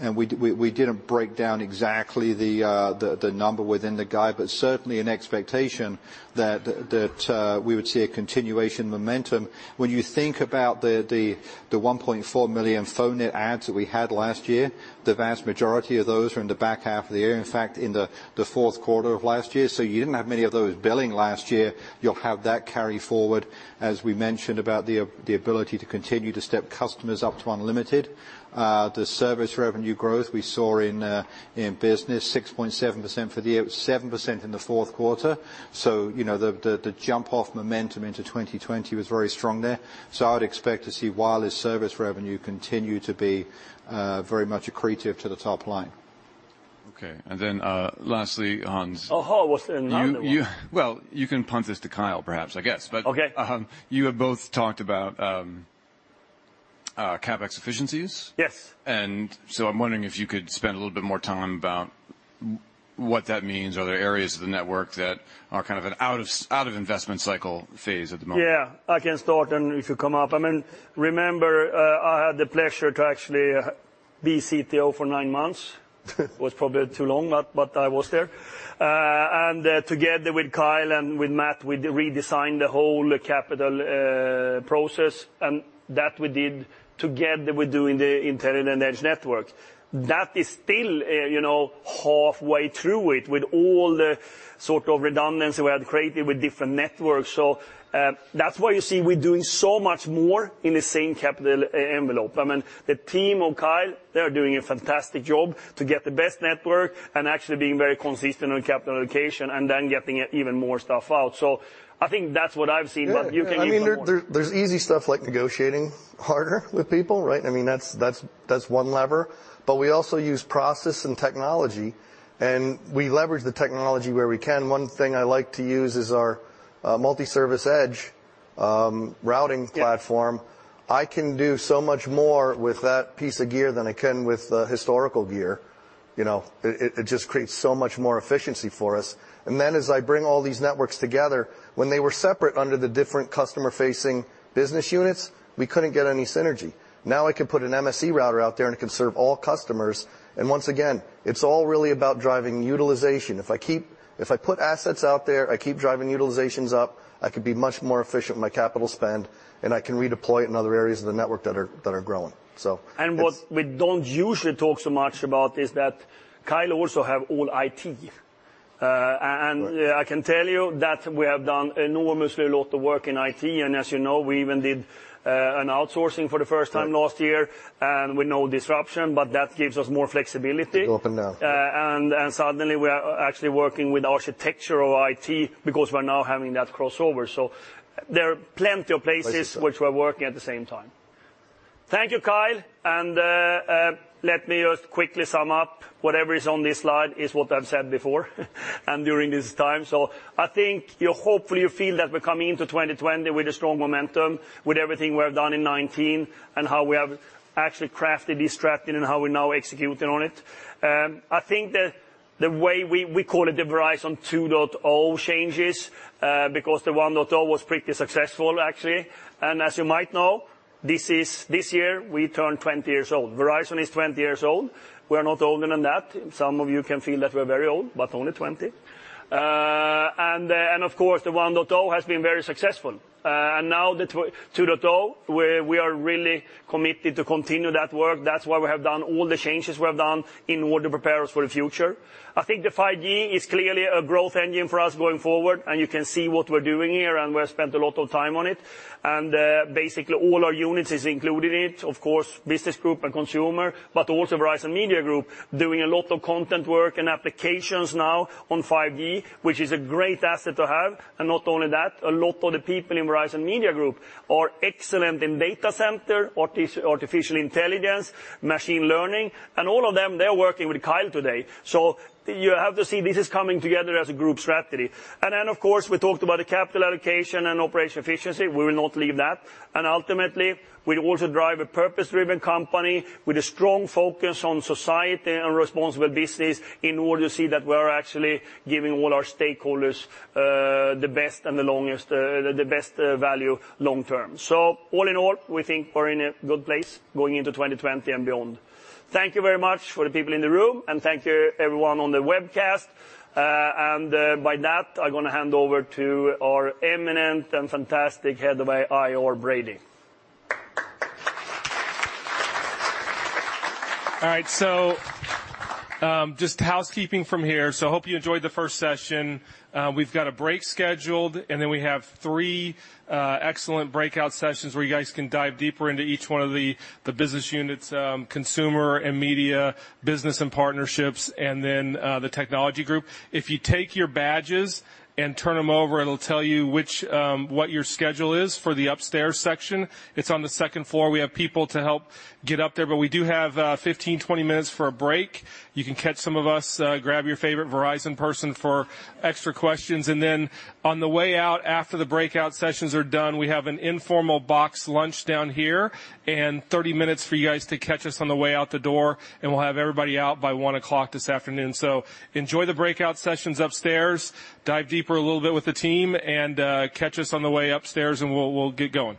and we didn't break down exactly the number within the guide, but certainly an expectation that we would see a continuation momentum. When you think about the 1.4 million phone net adds that we had last year, the vast majority of those are in the back half of the year, in fact, in the fourth quarter of last year. You didn't have many of those billing last year. You'll have that carry forward as we mentioned about the ability to continue to step customers up to unlimited. The service revenue growth we saw in business, 6.7% for the year, it was 7% in the fourth quarter. The jump-off momentum into 2020 was very strong there. I would expect to see wireless service revenue continue to be very much accretive to the top line. Okay. Then lastly, Hans. Oh, was there another one? Well, you can punt this to Kyle perhaps, I guess. Okay. You have both talked about CapEx efficiencies. Yes. I'm wondering if you could spend a little bit more time about what that means. Are there areas of the network that are kind of an out of investment cycle phase at the moment? Yeah. I can start. If you come up. Remember, I had the pleasure to actually be CTO for nine months. Was probably too long, but I was there. Together with Kyle and with Matt, we redesigned the whole capital process, and that we did together with doing the Intelligent Edge Network. That is still halfway through it, with all the sort of redundancy we had created with different networks. That's why you see we're doing so much more in the same capital envelope. The team of Kyle, they are doing a fantastic job to get the best network and actually being very consistent on capital allocation and then getting even more stuff out. I think that's what I've seen, but you can give some more. Yeah. There's easy stuff like negotiating harder with people, right? That's one lever. We also use process and technology, and we leverage the technology where we can. One thing I like to use is our multi-service edge routing platform. Yeah. I can do so much more with that piece of gear than I can with the historical gear. It just creates so much more efficiency for us. As I bring all these networks together, when they were separate under the different customer-facing business units, we couldn't get any synergy. Now I can put an MSE router out there, and it can serve all customers. Once again, it's all really about driving utilization. If I put assets out there, I keep driving utilizations up, I could be much more efficient with my capital spend, and I can redeploy it in other areas of the network that are growing. What we don't usually talk so much about is that Kyle also have all IT. Right. I can tell you that we have done enormously a lot of work in IT, and as you know, we even did an outsourcing for the first time last year, and with no disruption, but that gives us more flexibility. To open now. Yeah. We are actually working with architectural IT because we're now having that crossover. There are plenty of places which we're working at the same time. Thank you, Kyle, and let me just quickly sum up. Whatever is on this slide is what I've said before and during this time. I think you hopefully feel that we're coming into 2020 with a strong momentum, with everything we have done in 2019, and how we have actually crafted this strategy and how we're now executing on it. I think the way we call it the Verizon 2.0 changes, because the 1.0 was pretty successful, actually. As you might know, this year, we turn 20 years old. Verizon is 20 years old. We are not older than that. Some of you can feel that we're very old, but only 20. Of course, the 1.0 has been very successful. Now the 2.0, we are really committed to continue that work. That's why we have done all the changes we have done in order to prepare us for the future. I think the 5G is clearly a growth engine for us going forward, you can see what we're doing here, we have spent a lot of time on it. Basically, all our units is included in it, of course, business group and consumer, but also Verizon Media Group, doing a lot of content work and applications now on 5G, which is a great asset to have. Not only that, a lot of the people in Verizon Media Group are excellent in data center, artificial intelligence, machine learning, all of them, they're working with Kyle today. You have to see this is coming together as a group strategy. Then, of course, we talked about the capital allocation and operation efficiency. We will not leave that. Ultimately, we also drive a purpose-driven company with a strong focus on society and responsible business in order to see that we're actually giving all our stakeholders the best value long term. All in all, we think we're in a good place going into 2020 and beyond. Thank you very much for the people in the room, and thank you everyone on the webcast. By that, I'm going to hand over to our eminent and fantastic head of IR, Brady. All right. Just housekeeping from here. Hope you enjoyed the first session. We've got a break scheduled, and then we have three excellent breakout sessions where you guys can dive deeper into each one of the business units, Consumer and Media, Business and Partnerships, and then the Technology Group. If you take your badges and turn them over, it'll tell you what your schedule is for the upstairs section. It's on the second floor. We have people to help get up there, but we do have 15 minutes, 20 minutes for a break. You can catch some of us, grab your favorite Verizon person for extra questions. On the way out, after the breakout sessions are done, we have an informal box lunch down here and 30 minutes for you guys to catch us on the way out the door, and we'll have everybody out by 1:00 P.M. this afternoon. Enjoy the breakout sessions upstairs, dive deeper a little bit with the team, and catch us on the way upstairs, and we'll get going.